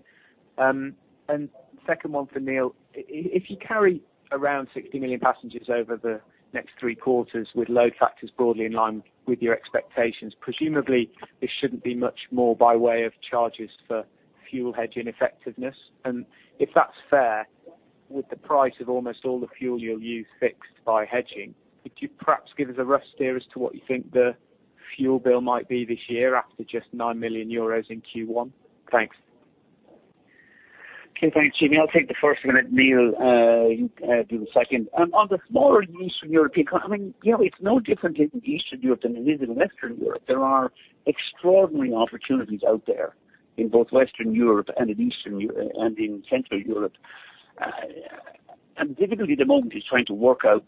Second one for Neil. If you carry around 60 million passengers over the next three quarters with load factors broadly in line with your expectations, presumably this shouldn't be much more by way of charges for fuel hedging effectiveness. If that's fair, with the price of almost all the fuel you'll use fixed by hedging, could you perhaps give us a rough steer as to what you think the fuel bill might be this year after just 9 million euros in Q1? Thanks. Okay. Thanks, Jaime. I'll take the first and let Neil do the second. On the smaller Eastern European carrier, it's no different in Eastern Europe than it is in Western Europe. There are extraordinary opportunities out there in both Western Europe and in Central Europe. The difficulty at the moment is trying to work out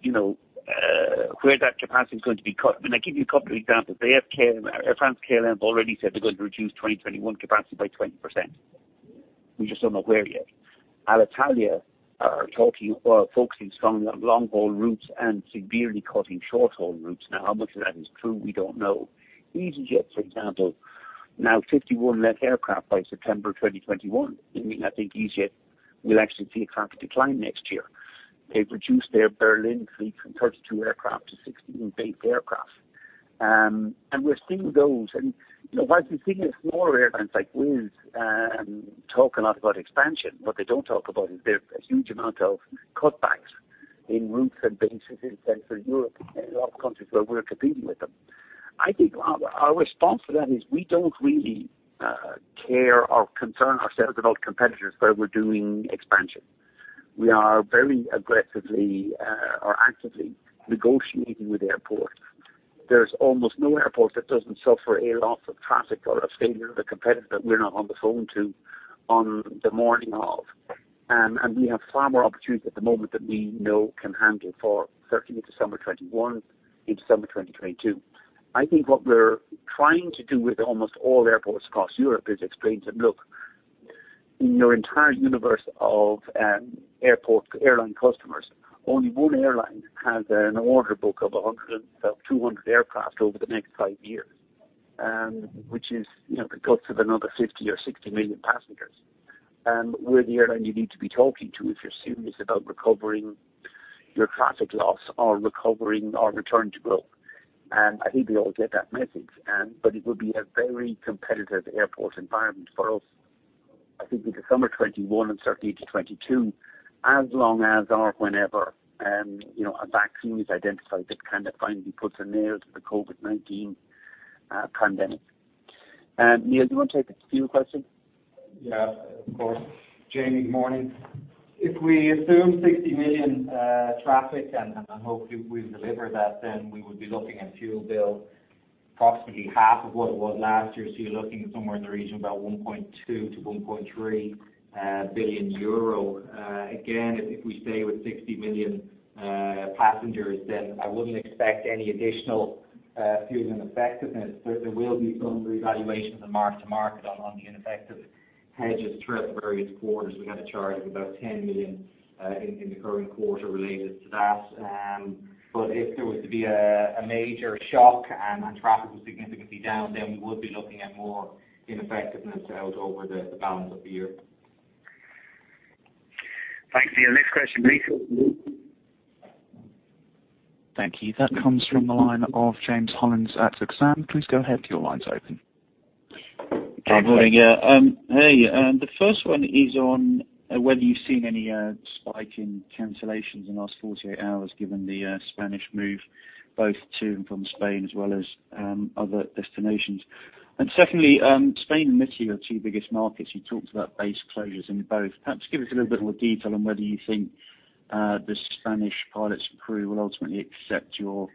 where that capacity is going to be cut. I'll give you a couple of examples. Air France-KLM have already said they're going to reduce 2021 capacity by 20%. We just don't know where yet. Alitalia are focusing strong on long-haul routes and severely cutting short-haul routes. How much of that is true, we don't know. easyJet, for example, now 51 less aircraft by September 2021. It means I think easyJet will actually see a traffic decline next year. They've reduced their Berlin fleet from 32 aircraft to 16 base aircraft. We're seeing those. Whilst we're seeing smaller airlines like Wizz Air talk a lot about expansion, what they don't talk about is there's a huge amount of cutbacks in routes and bases in Central Europe and a lot of countries where we're competing with them. I think our response to that is we don't really care or concern ourselves about competitors where we're doing expansion. We are very aggressively or actively negotiating with airports. There's almost no airport that doesn't suffer a loss of traffic or a failure of a competitor that we're not on the phone to on the morning of. We have far more opportunities at the moment that we know can handle for certainly the summer of 2021, in December 2022. I think what we're trying to do with almost all airports across Europe is explain to them, look. In your entire universe of airport airline customers, only one airline has an order book of about 200 aircraft over the next five years, which is the guts of another 50 million or 60 million passengers. We're the airline you need to be talking to if you're serious about recovering your traffic loss or recovering or returning to growth. I think we all get that message. It will be a very competitive airport environment for us, I think into summer 2021 and certainly into 2022 as long as or whenever a vaccine is identified that kind of finally puts a nail to the COVID-19 pandemic. Neil, do you want to take the fuel question? Yeah. Of course. Jaime, good morning. If we assume 60 million traffic, and hopefully we deliver that, we would be looking at fuel bill approximately half of what it was last year. You're looking at somewhere in the region of about 1.2 billion-1.3 billion euro. Again, if we stay with 60 million passengers, I wouldn't expect any additional fuel ineffectiveness. There will be some revaluation of the mark to market on the ineffective hedges throughout the various quarters. We had a charge of about 10 million in the current quarter related to that. If there was to be a major shock and traffic was significantly down, we would be looking at more ineffectiveness out over the balance of the year. Thanks, Neil. Next question, please. Thank you. That comes from the line of James Hollins at Exane. Please go ahead. Your line's open. James Hollins. Hi. Hey. The first one is on whether you've seen any spike in cancellations in the last 48 hours, given the Spanish move both to and from Spain as well as other destinations. Secondly, Spain and Italy are two biggest markets. You talked about base closures in both. Perhaps give us a little bit more detail on whether you think the Spanish pilots and crew will ultimately accept your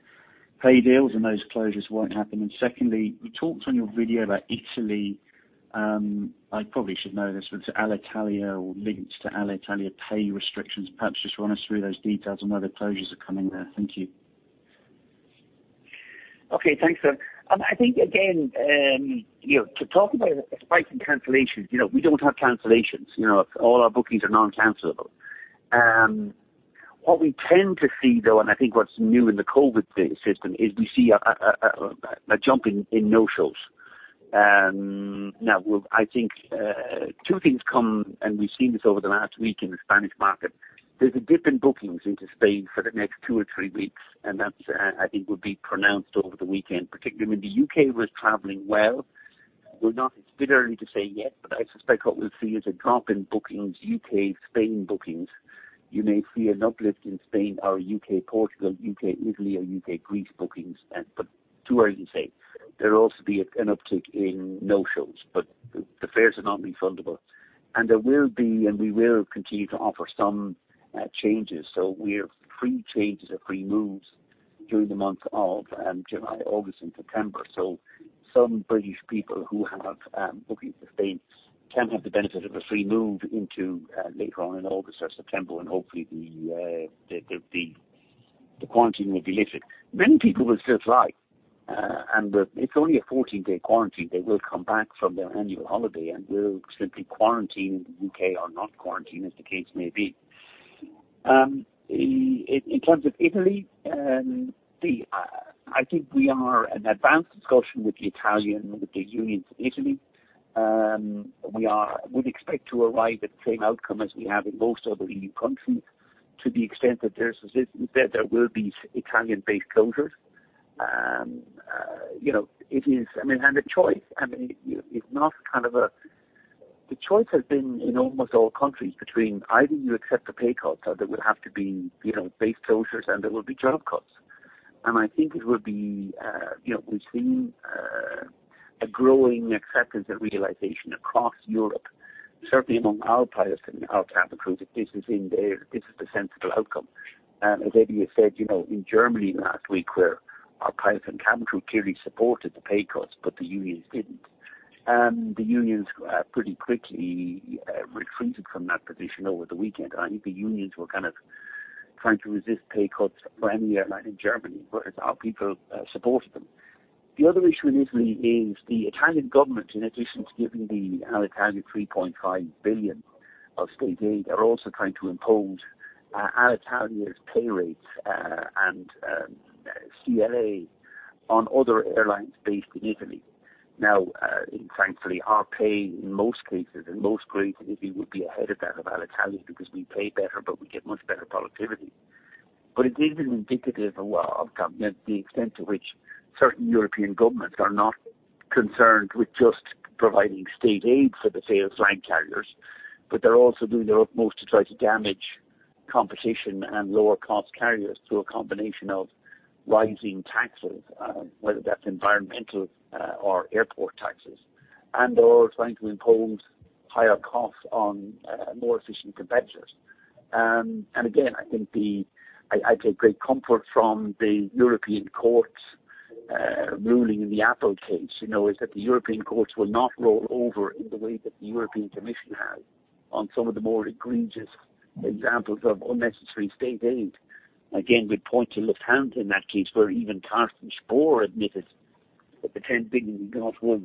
pay deals and those closures won't happen. Secondly, you talked on your video about Italy. I probably should know this, to Alitalia or links to Alitalia pay restrictions, perhaps just run us through those details on whether closures are coming there. Thank you. Okay. Thanks, James. I think, again, to talk about a spike in cancellations, we don't have cancellations. All our bookings are non-cancelable. What we tend to see, though, and I think what's new in the COVID system, is we see a jump in no-shows. Now, I think two things come, and we've seen this over the last week in the Spanish market. There's a drop in bookings into Spain for the next two or three weeks. That I think will be pronounced over the weekend, particularly when the U.K. was traveling well. It's a bit early to say yet, I suspect what we'll see is a drop in bookings, U.K.-Spain bookings. You may see an uplift in Spain or U.K.-Portugal, U.K.-Italy, or U.K.-Greece bookings. Too early to say. There'll also be an uptick in no-shows. The fares are non-refundable. There will be, and we will continue to offer some changes. We have free changes or free moves during the month of July, August, and September. So, some British people who have bookings to Spain can have the benefit of a free move into later on in August or September, and hopefully the quarantine will be lifted. Many people will still fly, and it is only a 14-day quarantine. They will come back from their annual holiday and will simply quarantine in the U.K. or not quarantine as the case may be. In terms of Italy, I think we are in advanced discussion with the unions of Italy. We would expect to arrive at the same outcome as we have in most other EU countries. To the extent that there will be Italian-based closures. The choice has been in almost all countries between either you accept the pay cuts or there will have to be base closures and there will be job cuts. I think we've seen a growing acceptance and realization across Europe, certainly among our pilots and our cabin crew, that this is the sensible outcome. As Eddie has said, in Germany last week where our pilots and cabin crew clearly supported the pay cuts, but the unions didn't. The unions pretty quickly retreated from that position over the weekend. I think the unions were kind of trying to resist pay cuts for any airline in Germany, whereas our people supported them. The other issue in Italy is the Italian government, in addition to giving the Alitalia 3.5 billion of state aid, are also trying to impose Alitalia's pay rates and CLA on other airlines based in Italy. Now, frankly, our pay in most cases, in most places in Italy would be ahead of that of Alitalia because we pay better, but we get much better productivity. But it is indicative of the extent to which certain European governments are not concerned with just providing state aid for the legacy carriers, but they're also doing their utmost to try to damage competition and low-cost carriers through a combination of rising taxes, whether that's environmental or airport taxes, and/or trying to impose higher costs on more efficient competitors. Again, I take great comfort from the European courts ruling in the Apple case, is that the European courts will not roll over in the way that the European Commission has on some of the more egregious examples of unnecessary state aid. Again, we point to Lufthansa in that case, where even Carsten Spohr admitted but the EUR 10 billion was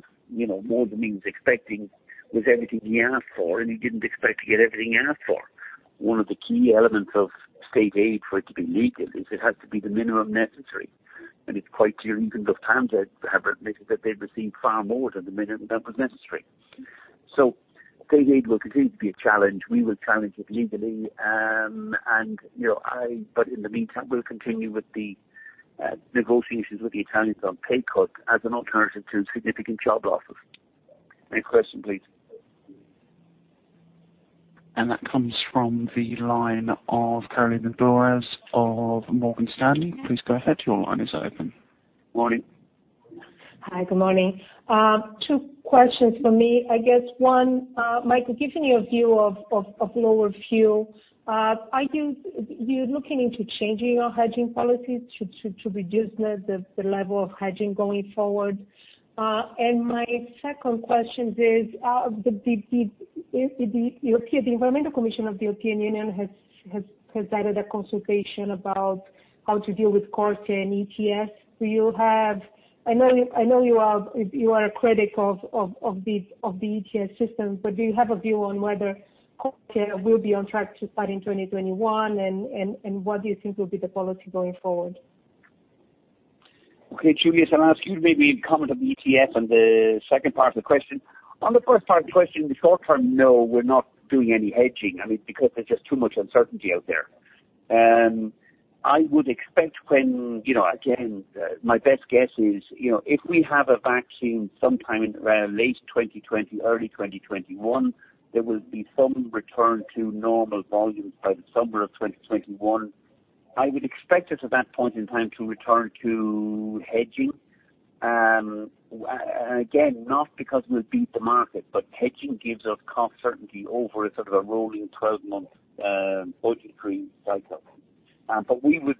more than he was expecting, was everything he asked for, and he didn't expect to get everything he asked for. One of the key elements of state aid for it to be legal is it has to be the minimum necessary, and it's quite clear even Lufthansa have admitted that they've received far more than the minimum that was necessary. State aid will continue to be a challenge. We will challenge it legally. In the meantime, we'll continue with the negotiations with the Italians on pay cuts as an alternative to significant job losses. Next question, please. That comes from the line of Carolina Dores of Morgan Stanley. Please go ahead. Your line is open. Morning. Hi. Good morning. Two questions from me. I guess one, Michael, given your view of lower fuel, are you looking into changing your hedging policy to reduce the level of hedging going forward? My second question is, the European Commission of the European Union has started a consultation about how to deal with CORSIA and ETS. I know you are a critic of the ETS system, do you have a view on whether CORSIA will be on track to start in 2021, and what do you think will be the policy going forward? Okay. Juliusz, I'll ask you maybe comment on the ETS and the second part of the question. The first part of the question, the short-term, no, we're not doing any hedging, because there's just too much uncertainty out there. My best guess is, if we have a vaccine sometime in late 2020, early 2021, there will be some return to normal volumes by the summer of 2021. I would expect us at that point in time to return to hedging. Not because we'll beat the market, but hedging gives us cost certainty over a sort of a rolling 12-month budgetary cycle. We would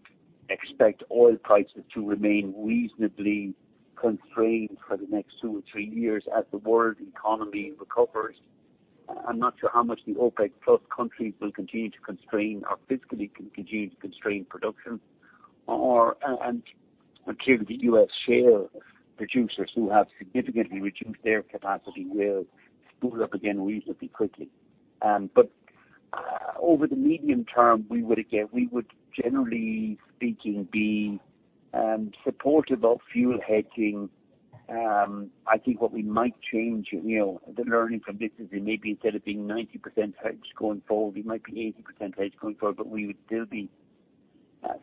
expect oil prices to remain reasonably constrained for the next two or three years as the world economy recovers. I'm not sure how much the OPEC plus countries will continue to constrain or physically continue to constrain production. Clearly, the U.S. shale producers who have significantly reduced their capacity will spool up again reasonably quickly. But over the medium term, we would, generally speaking, be supportive of fuel hedging. I think what we might change, the learning from this is that maybe instead of being 90% hedged going forward, we might be 80% hedged going forward, but we would still be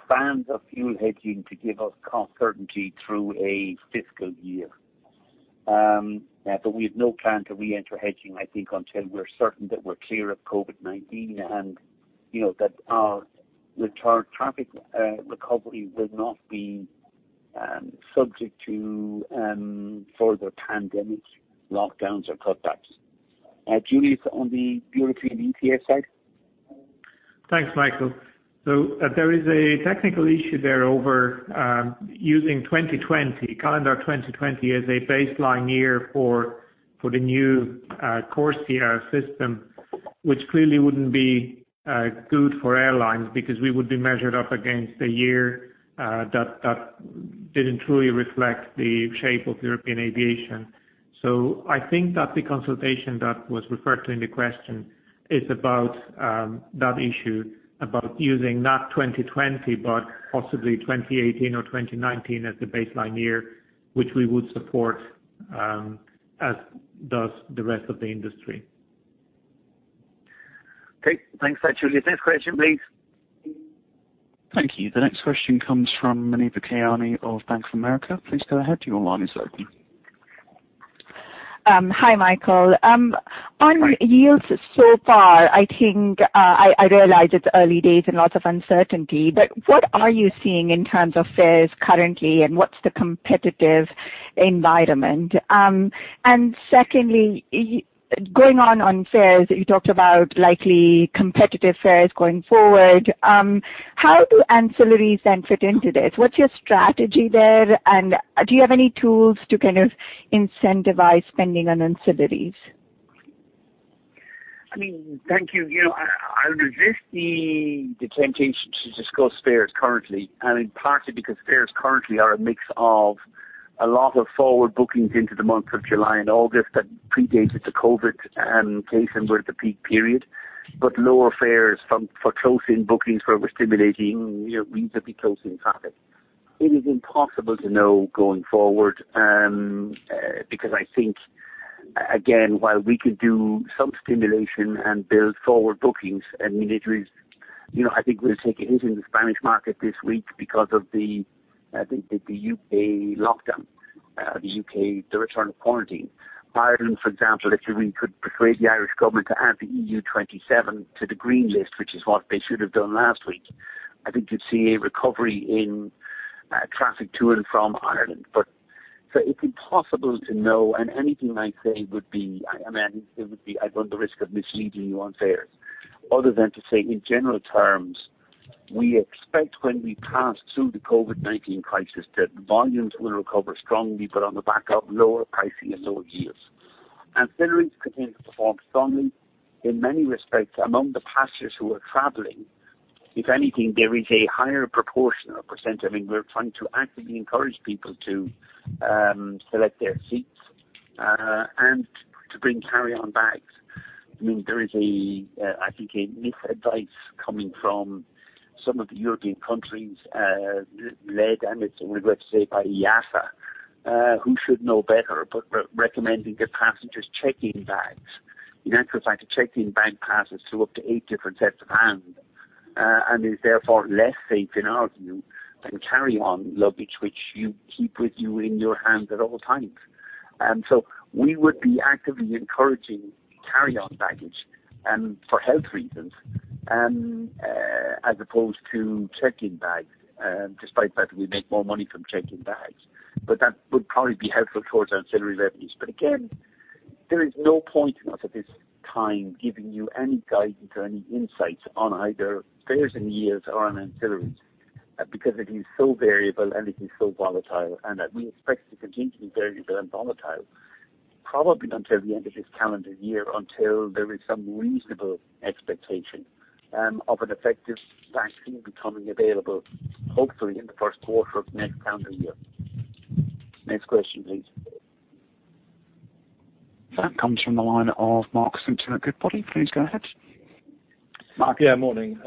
fans of fuel hedging to give us cost certainty through a fiscal year. We have no plan to re-enter hedging, I think, until we're certain that we're clear of COVID-19 and that our traffic recovery will not be subject to further pandemics, lockdowns, or cutbacks. Juliusz, on the European ETS side? Thanks, Michael. There is a technical issue there over using calendar 2020 as a baseline year for the new CORSIA system, which clearly wouldn't be good for airlines, because we would be measured up against a year that didn't truly reflect the shape of European aviation. I think that the consultation that was referred to in the question is about that issue, about using not 2020, but possibly 2018 or 2019 as the baseline year, which we would support, as does the rest of the industry. Okay. Thanks for that, Juliusz. Next question, please. Thank you. The next question comes from Muneeba Kayani of Bank of America. Please go ahead. Your line is open. Hi, Michael. Hi. On yields so far, I realize it's early days and lots of uncertainty, but what are you seeing in terms of fares currently, and what's the competitive environment? Secondly, going on fares, you talked about likely competitive fares going forward. How do ancillaries then fit into this? What's your strategy there, and do you have any tools to kind of incentivize spending on ancillaries? Thank you. I resist the temptation to discuss fares currently. Partly because fares currently are a mix of a lot of forward bookings into the month of July and August that predated the COVID-19 case and were at the peak period. Lower fares for close-in bookings where we're stimulating reasonably close-in traffic. It is impossible to know going forward. I think, again, while we can do some stimulation and build forward bookings, I think we'll take a hit in the Spanish market this week because of the U.K. lockdown, the return of quarantine. For example, Ireland, if we could persuade the Irish government to add the EU 27 to the green list, which is what they should have done last week, I think you'd see a recovery in traffic to and from Ireland. It's impossible to know, and anything I say would be at the risk of misleading you on fares. Other than to say, in general terms, we expect when we pass through the COVID-19 crisis that the volumes will recover strongly, but on the back of lower pricing and lower yields. Ancillaries continue to perform strongly in many respects among the passengers who are traveling. If anything, there is a higher proportion or percent. I mean, we're trying to actively encourage people to select their seats and to bring carry-on bags. There is, I think, a mis-advice coming from some of the European countries, led, and I regret to say, by IATA, who should know better, but recommending that passengers check in bags. In actual fact, a checked-in bag passes through up to eight different sets of hands and is therefore less safe, in our view, than carry-on luggage, which you keep with you in your hands at all times. We would be actively encouraging carry-on baggage, for health reasons, as opposed to checked-in bags, despite the fact that we make more money from checked-in bags. That would probably be helpful towards ancillary revenues. Again, there is no point in us at this time giving you any guidance or any insights on either fares and yields or on ancillaries, because it is so variable, and it is so volatile, and that we expect it to continue to be variable and volatile probably until the end of this calendar year, until there is some reasonable expectation of an effective vaccine becoming available, hopefully in the first quarter of next calendar year. Next question, please. That comes from the line of Mark Simpson at Goodbody. Please go ahead. Mark. Morning.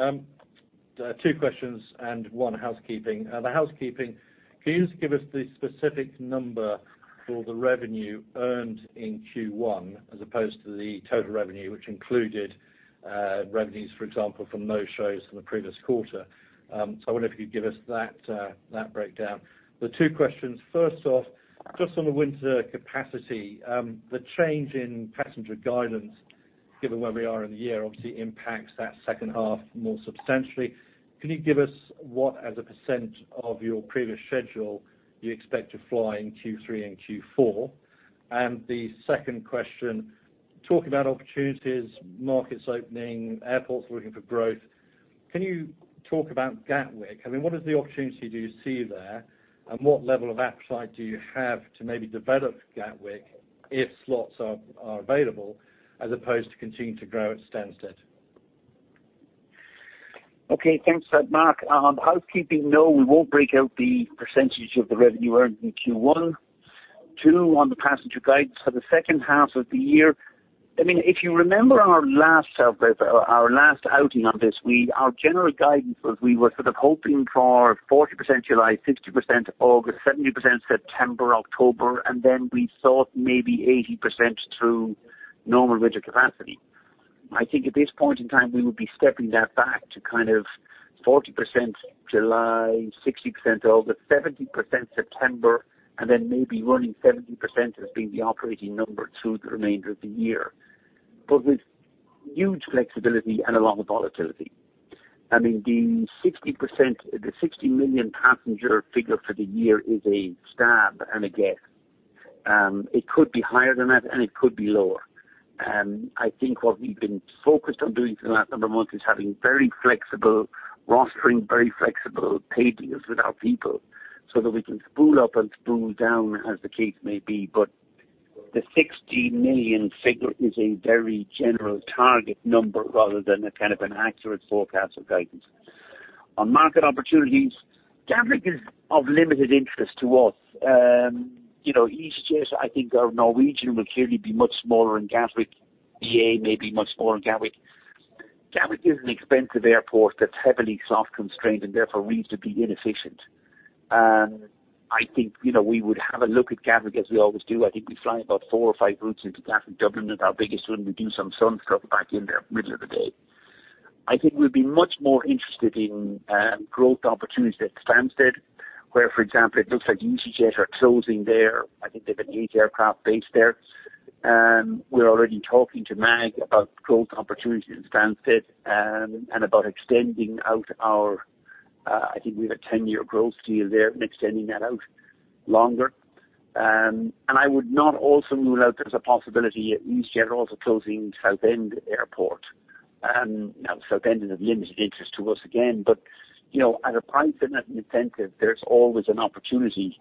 Two questions and one housekeeping. The housekeeping, can you just give us the specific number for the revenue earned in Q1 as opposed to the total revenue, which included revenues, for example, from those shows in the previous quarter? I wonder if you'd give us that breakdown. The two questions. First off, just on the winter capacity, the change in passenger guidance, given where we are in the year, obviously impacts that second half more substantially. Can you give us what, as a percent of your previous schedule, you expect to fly in Q3 and Q4? The second question, talking about opportunities, markets opening, airports looking for growth, can you talk about Gatwick? I mean, what is the opportunity do you see there? What level of appetite do you have to maybe develop Gatwick if slots are available, as opposed to continuing to grow at Stansted? Okay. Thanks for that, Mark. On the housekeeping, no, we won't break out the percentage of the revenue earned in Q1. Two, on the passenger guidance for the second half of the year, if you remember our last outing on this, our general guidance was we were sort of hoping for 40% July, 60% August, 70% September, October, then we thought maybe 80% through normal winter capacity. I think at this point in time, we would be stepping that back to kind of 40% July, 60% August, 70% September, then maybe running 70% as being the operating number through the remainder of the year. With huge flexibility and a lot of volatility. I mean, the 60 million passenger figure for the year is a stab and a guess. It could be higher than that, it could be lower. I think what we've been focused on doing for the last number of months is having very flexible rostering, very flexible pay deals with our people so that we can spool up and spool down as the case may be. But the 60 million passenger figure is a very general target number rather than a kind of an accurate forecast or guidance. On market opportunities, Gatwick is of limited interest to us. easyJet, I think, or Norwegian will clearly be much smaller in Gatwick. BA may be much smaller in Gatwick. Gatwick is an expensive airport that's heavily slot-constrained and therefore reasonably inefficient. I think we would have a look at Gatwick, as we always do. I think we fly about four or five routes into Gatwick. Dublin is our biggest one. We do some sun stuff back in there, middle of the day. I think we'll be much more interested in growth opportunities at Stansted, where, for example, it looks like easyJet are closing their I think they have an eight-aircraft base there. We're already talking to MAG about growth opportunities in Stansted and about extending out our, I think we have a 10-year growth deal there, extending that out longer. I would not also rule out there's a possibility easyJet are also closing Southend Airport. Southend is of limited interest to us again, but at a price and at an incentive, there's always an opportunity,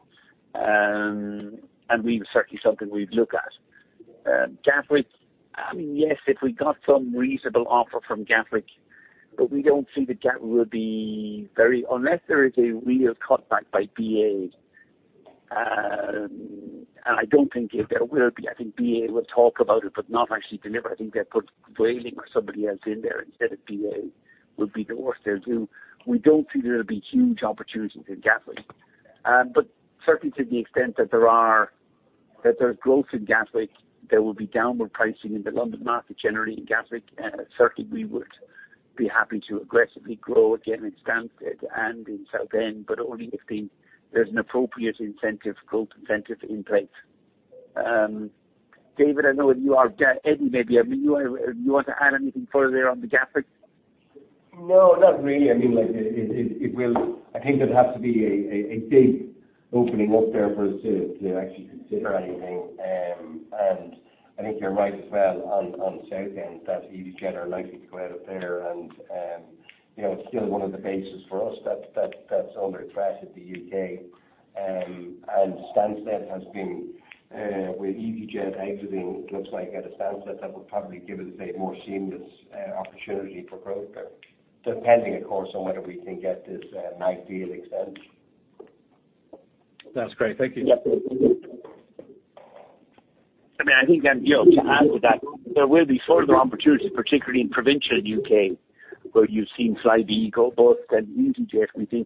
and certainly something we'd look at. Gatwick, I mean, yes, if we got some reasonable offer from Gatwick, We don't see that Gatwick will be unless there is a real cutback by BA. I don't think there will be. I think BA will talk about it but not actually deliver. I think they'll put Vueling or somebody else in there instead of BA, would be the worst they'll do. We don't see there'll be huge opportunities in Gatwick. Certainly to the extent that there's growth in Gatwick, there will be downward pricing in the London market generally in Gatwick. Certainly, we would be happy to aggressively grow again in Stansted and in Southend, but only if there's an appropriate incentive, growth incentive in place. David or Eddie, maybe. You want to add anything further on the Gatwick? No, not really. I think there'd have to be a big opening up there for us to actually consider anything. I think you're right as well on Southend that easyJet are likely to go out of there, and it's still one of the bases for us that's under threat at the U.K. Stansted has been, with easyJet exiting, it looks like at Stansted that would probably give it a more seamless opportunity for growth there. Depending, of course, on whether we can get this night deal extended. That's great. Thank you. Yep. I think, to add to that, there will be further opportunities, particularly in provincial U.K., where you've seen Flybe go bust, I think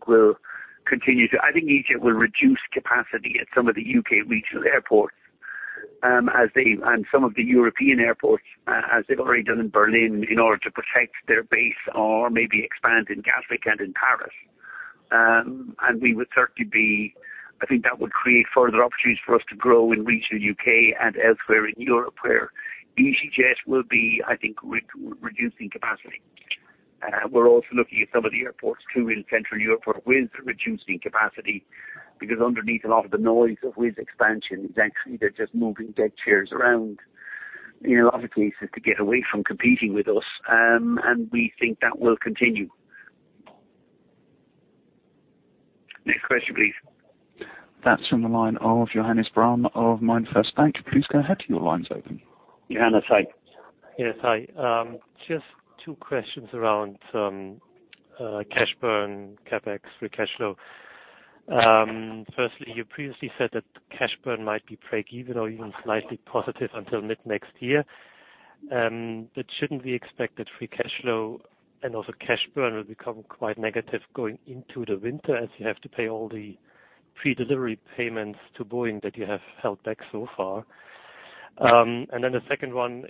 easyJet will reduce capacity at some of the U.K. regional airports and some of the European airports, as they've already done in Berlin, in order to protect their base or maybe expand in Gatwick and in Paris. I think that would create further opportunities for us to grow in regional U.K. and elsewhere in Europe, where easyJet will be, I think, reducing capacity. We're also looking at some of the airports, too, in Central Europe where Wizz are reducing capacity. Underneath a lot of the noise of Wizz expansion is actually they're just moving deck chairs around. This is to get away from competing with us, and we think that will continue. Next question, please. That's from the line of Johannes Braun of MainFirst Bank. Please go ahead. Your line's open. Johannes, hi. Yes. Hi. Just two questions around cash burn, CapEx, free cash flow. Firstly, you previously said that cash burn might be break-even or even slightly positive until mid next year. Shouldn't we expect that free cash flow and also cash burn will become quite negative going into the winter as you have to pay all the pre-delivery payments to Boeing that you have held back so far? Then, the second one,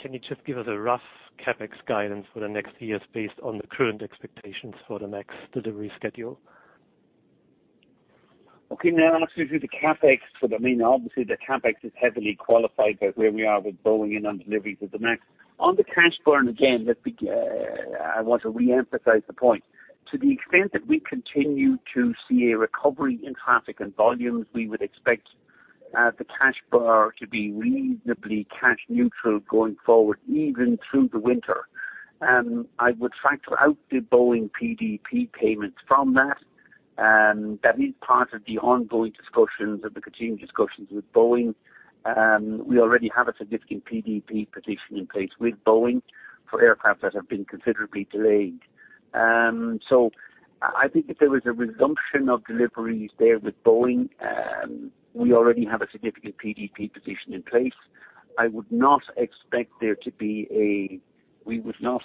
can you just give us a rough CapEx guidance for the next years based on the current expectations for the MAX delivery schedule? Okay. I'll speak to the CapEx. Obviously, the CapEx is heavily qualified by where we are with Boeing and on deliveries of the MAX. On the cash burn, again, I want to reemphasize the point. To the extent that we continue to see a recovery in traffic and volumes, we would expect the cash burn to be reasonably cash neutral going forward, even through the winter. I would factor out the Boeing PDP payments from that. That is part of the ongoing discussions or the continued discussions with Boeing. We already have a significant PDP position in place with Boeing for aircraft that have been considerably delayed. I think if there was a resumption of deliveries there with Boeing, we already have a significant PDP position in place. We would not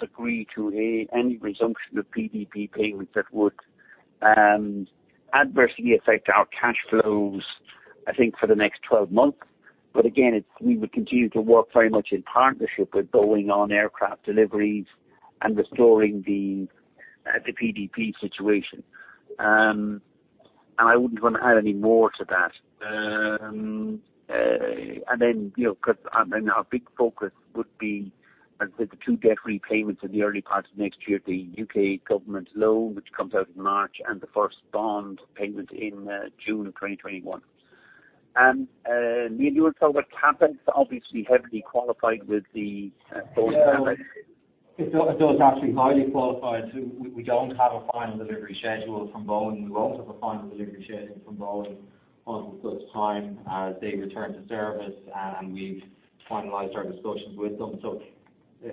agree to any resumption of PDP payments that would adversely affect our cash flows, I think, for the next 12-months. We would continue to work very much in partnership with Boeing on aircraft deliveries and restoring the PDP situation. I wouldn't want to add any more to that. I mean, our big focus would be, as I said, the two debt repayments in the early part of next year, the U.K. government loan, which comes out in March, and the first bond payment in June of 2021. Neil, you want to talk about CapEx? Obviously heavily qualified with the Boeing delivery. It does. Actually, highly qualified. We don't have a final delivery schedule from Boeing. We won't have a final delivery schedule from Boeing until such time as they return to service and we've finalized our discussions with them.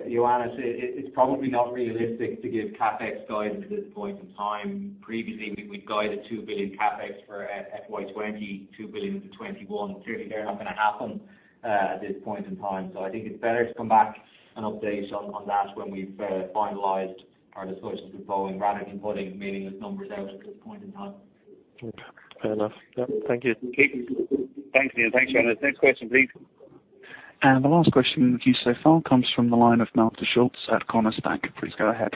Johannes, it's probably not realistic to give CapEx guidance at this point in time. Previously, we'd guided 2 billion CapEx for FY 2020, 2 billion for FY 2021. Clearly, they're not going to happen at this point in time. I think it's better to come back and update you on that when we've finalized our discussions with Boeing rather than putting meaningless numbers out at this point in time. Okay. Fair enough. Yep. Thank you. Okay. Thank you. Thanks, Johannes. Next question please. The last question we've received so far comes from the line of Malte Schulz at Commerzbank. Please go ahead.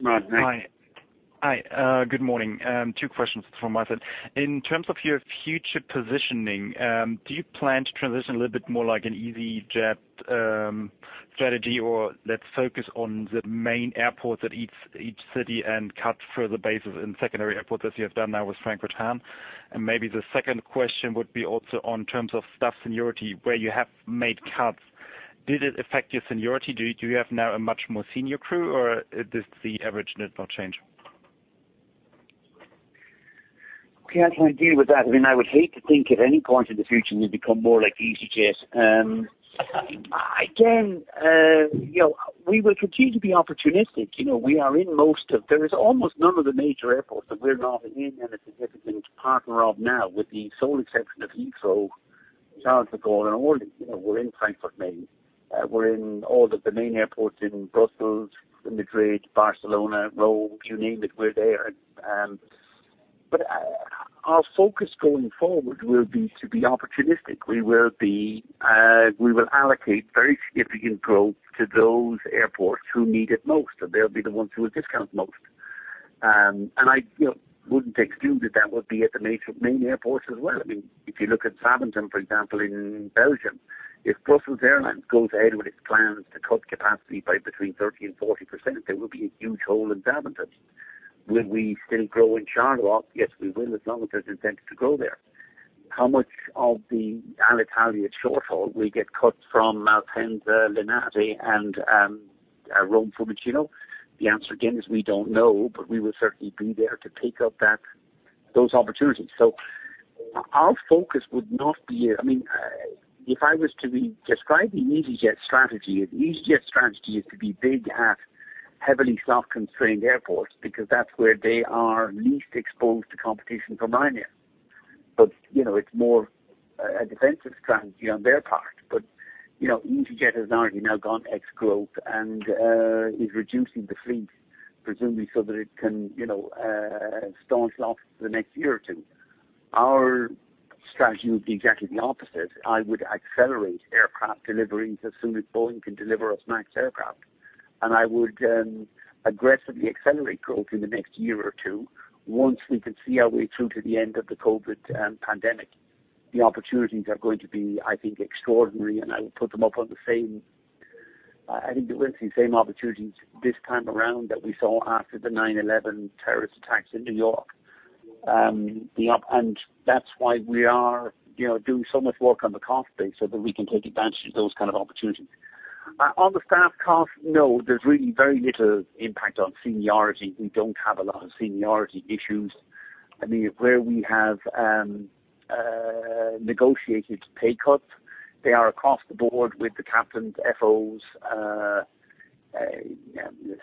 Malte, hi. Hi. Good morning. Two questions from my side. In terms of your future positioning, do you plan to transition a little bit more like an easyJet strategy or let's focus on the main airport at each city and cut further bases in secondary airports as you have done now with Frankfurt-Hahn? Maybe the second question would be also on terms of staff seniority. Where you have made cuts, did it affect your seniority? Do you have now a much more senior crew, or does the average net not change? Okay. I can deal with that. I would hate to think at any point in the future we'd become more like easyJet. We will continue to be opportunistic. There is almost none of the major airports that we're not in as a significant partner of now, with the sole exception of Heathrow. Charles de Gaulle and all. We're in Frankfurt Main. We're in all of the main airports in Brussels, in Madrid, Barcelona, Rome. You name it, we're there. Our focus going forward will be to be opportunistic. We will allocate very significant growth to those airports who need it most, and they'll be the ones who will discount the most. I wouldn't exclude that that would be at the main airports as well. If you look at Zaventem, for example, in Belgium. Brussels Airlines goes ahead with its plans to cut capacity by between 30% and 40%, there will be a huge hole in Zaventem. Will we still grow in Charleroi? Yes, we will, as long as there's incentive to grow there. How much of the Alitalia shortfall will get cut from Malpensa, Linate, and Rome Fiumicino. The answer again is we don't know, but we will certainly be there to take up those opportunities. So, our focus would not be If I was to describe the easyJet strategy, the easyJet strategy is to be big at heavily cost-constrained airports because that's where they are least exposed to competition from Ryanair. It's more a defensive strategy on their part. easyJet has already now gone ex-growth and is reducing the fleet, presumably so that it can staunch losses for the next year or two. Our strategy would be exactly the opposite. I would accelerate aircraft deliveries as soon as Boeing can deliver us MAX aircraft. I would aggressively accelerate growth in the next year or two once we can see our way through to the end of the COVID pandemic. The opportunities are going to be, I think, extraordinary, and I would put them up on the same. I think we'll see the same opportunities this time around that we saw after the 9/11 terrorist attacks in New York. That's why we are doing so much work on the cost base so that we can take advantage of those kind of opportunities. On the staff cost, no, there's really very little impact on seniority. We don't have a lot of seniority issues. Where we have negotiated pay cuts, they are across the board with the captains, FOs,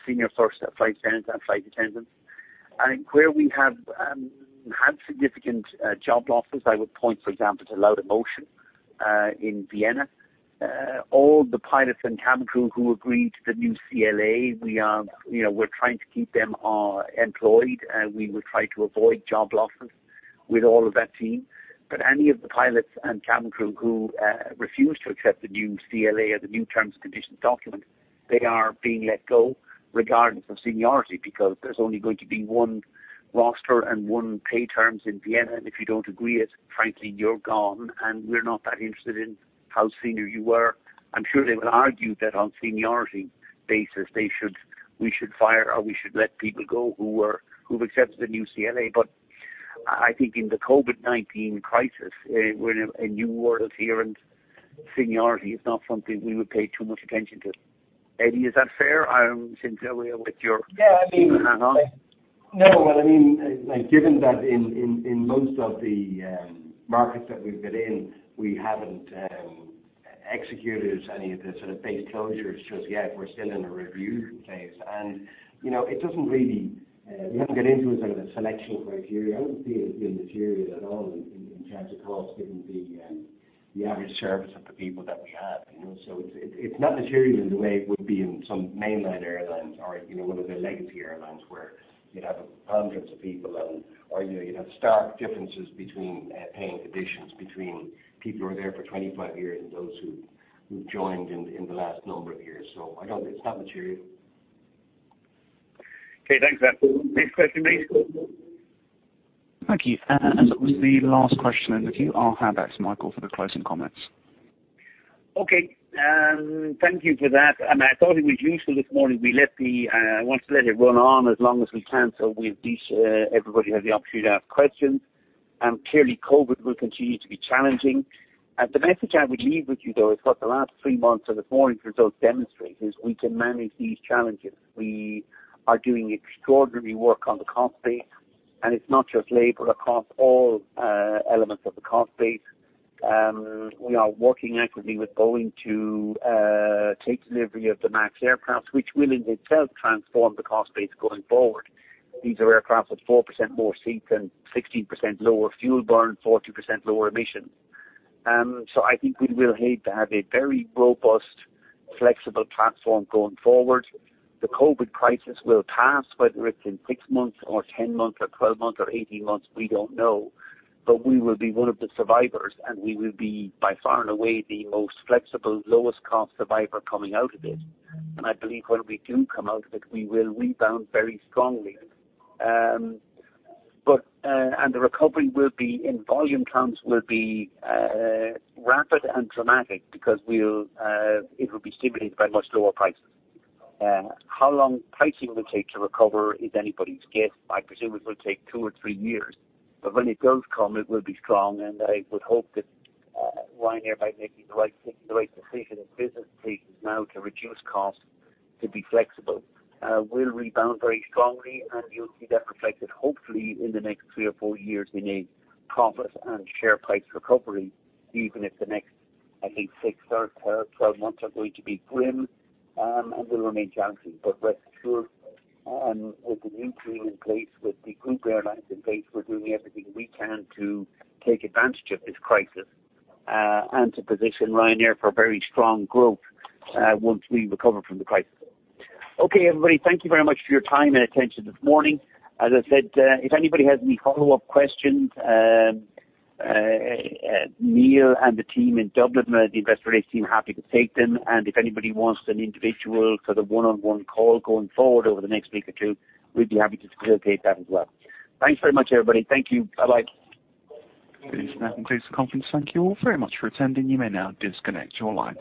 senior first flight attendants, and flight attendants. Where we have had significant job losses, I would point, for example, to Laudamotion in Vienna. All the pilots and cabin crew who agreed to the new CLA, we're trying to keep them all employed, and we will try to avoid job losses with all of that team. Any of the pilots and cabin crew who refuse to accept the new CLA or the new terms and conditions document, they are being let go regardless of seniority because there's only going to be one roster and one pay terms in Vienna, and if you don't agree it, frankly, you're gone, and we're not that interested in how senior you were. I'm sure they will argue that on seniority basis, we should let people go who've accepted the new CLA. I think in the COVID-19 crisis, we're in a new world here, and seniority is not something we would pay too much attention to. Eddie, is that fair? Yeah, I mean. Hand on. No. Well, given that in most of the markets that we've been in, we haven't executed any of the sort of base closures just yet. We're still in a review phase. We haven't got into a sort of a selection criteria. I don't see it as being material at all in terms of cost, given the average service of the people that we have. It's not material in the way it would be in some mainline airlines or one of the legacy airlines where you'd have hundreds of people and/or you'd have stark differences between paying conditions between people who are there for 25 years and those who've joined in the last number of years. It's not material. Okay, thanks for that. Next question, please. Thank you. That was the last question. If you all head back to Michael for the closing comments. Okay. Thank you for that. I thought it was useful this morning. I wanted to let it run on as long as we can so everybody has the opportunity to ask questions. Clearly COVID will continue to be challenging. The message I would leave with you, though, is what the last three months and this morning's results demonstrate is we can manage these challenges. We are doing extraordinary work on the cost base, and it's not just labor, across all elements of the cost base. We are working actively with Boeing to take delivery of the MAX aircraft, which will in itself transform the cost base going forward. These are aircraft with 4% more seats and 16% lower fuel burn, 40% lower emissions. I think we will have a very robust, flexible platform going forward. The COVID crisis will pass, whether it's in six months or 10 months or 12 months or 18 months, we don't know, but we will be one of the survivors, and we will be, by far and away, the most flexible, lowest-cost survivor coming out of it. I believe when we do come out of it, we will rebound very strongly. But the recovery will be, in volume terms, will be rapid and dramatic because it will be stimulated by much lower prices. How long pricing will take to recover is anybody's guess. I presume it will take two years or three years, but when it does come, it will be strong, and I would hope that Ryanair, by making the right decisions and business cases now to reduce costs, to be flexible, will rebound very strongly, and you'll see that reflected hopefully in the next three or four years in a profit and share price recovery, even if the next, I think, six months or 12 months are going to be grim and will remain challenging. Rest assured, with the new deal in place, with the group airlines in place, we're doing everything we can to take advantage of this crisis and to position Ryanair for very strong growth once we recover from the crisis. Okay, everybody, thank you very much for your time and attention this morning. As I said, if anybody has any follow-up questions, Neil and the team in Dublin, the Investor Relations team, happy to take them. If anybody wants an individual sort of one-on-one call going forward over the next week or two, we'd be happy to facilitate that as well. Thanks very much, everybody. Thank you. Bye-bye. Thanks. That concludes the conference. Thank you all very much for attending. You may now disconnect your lines.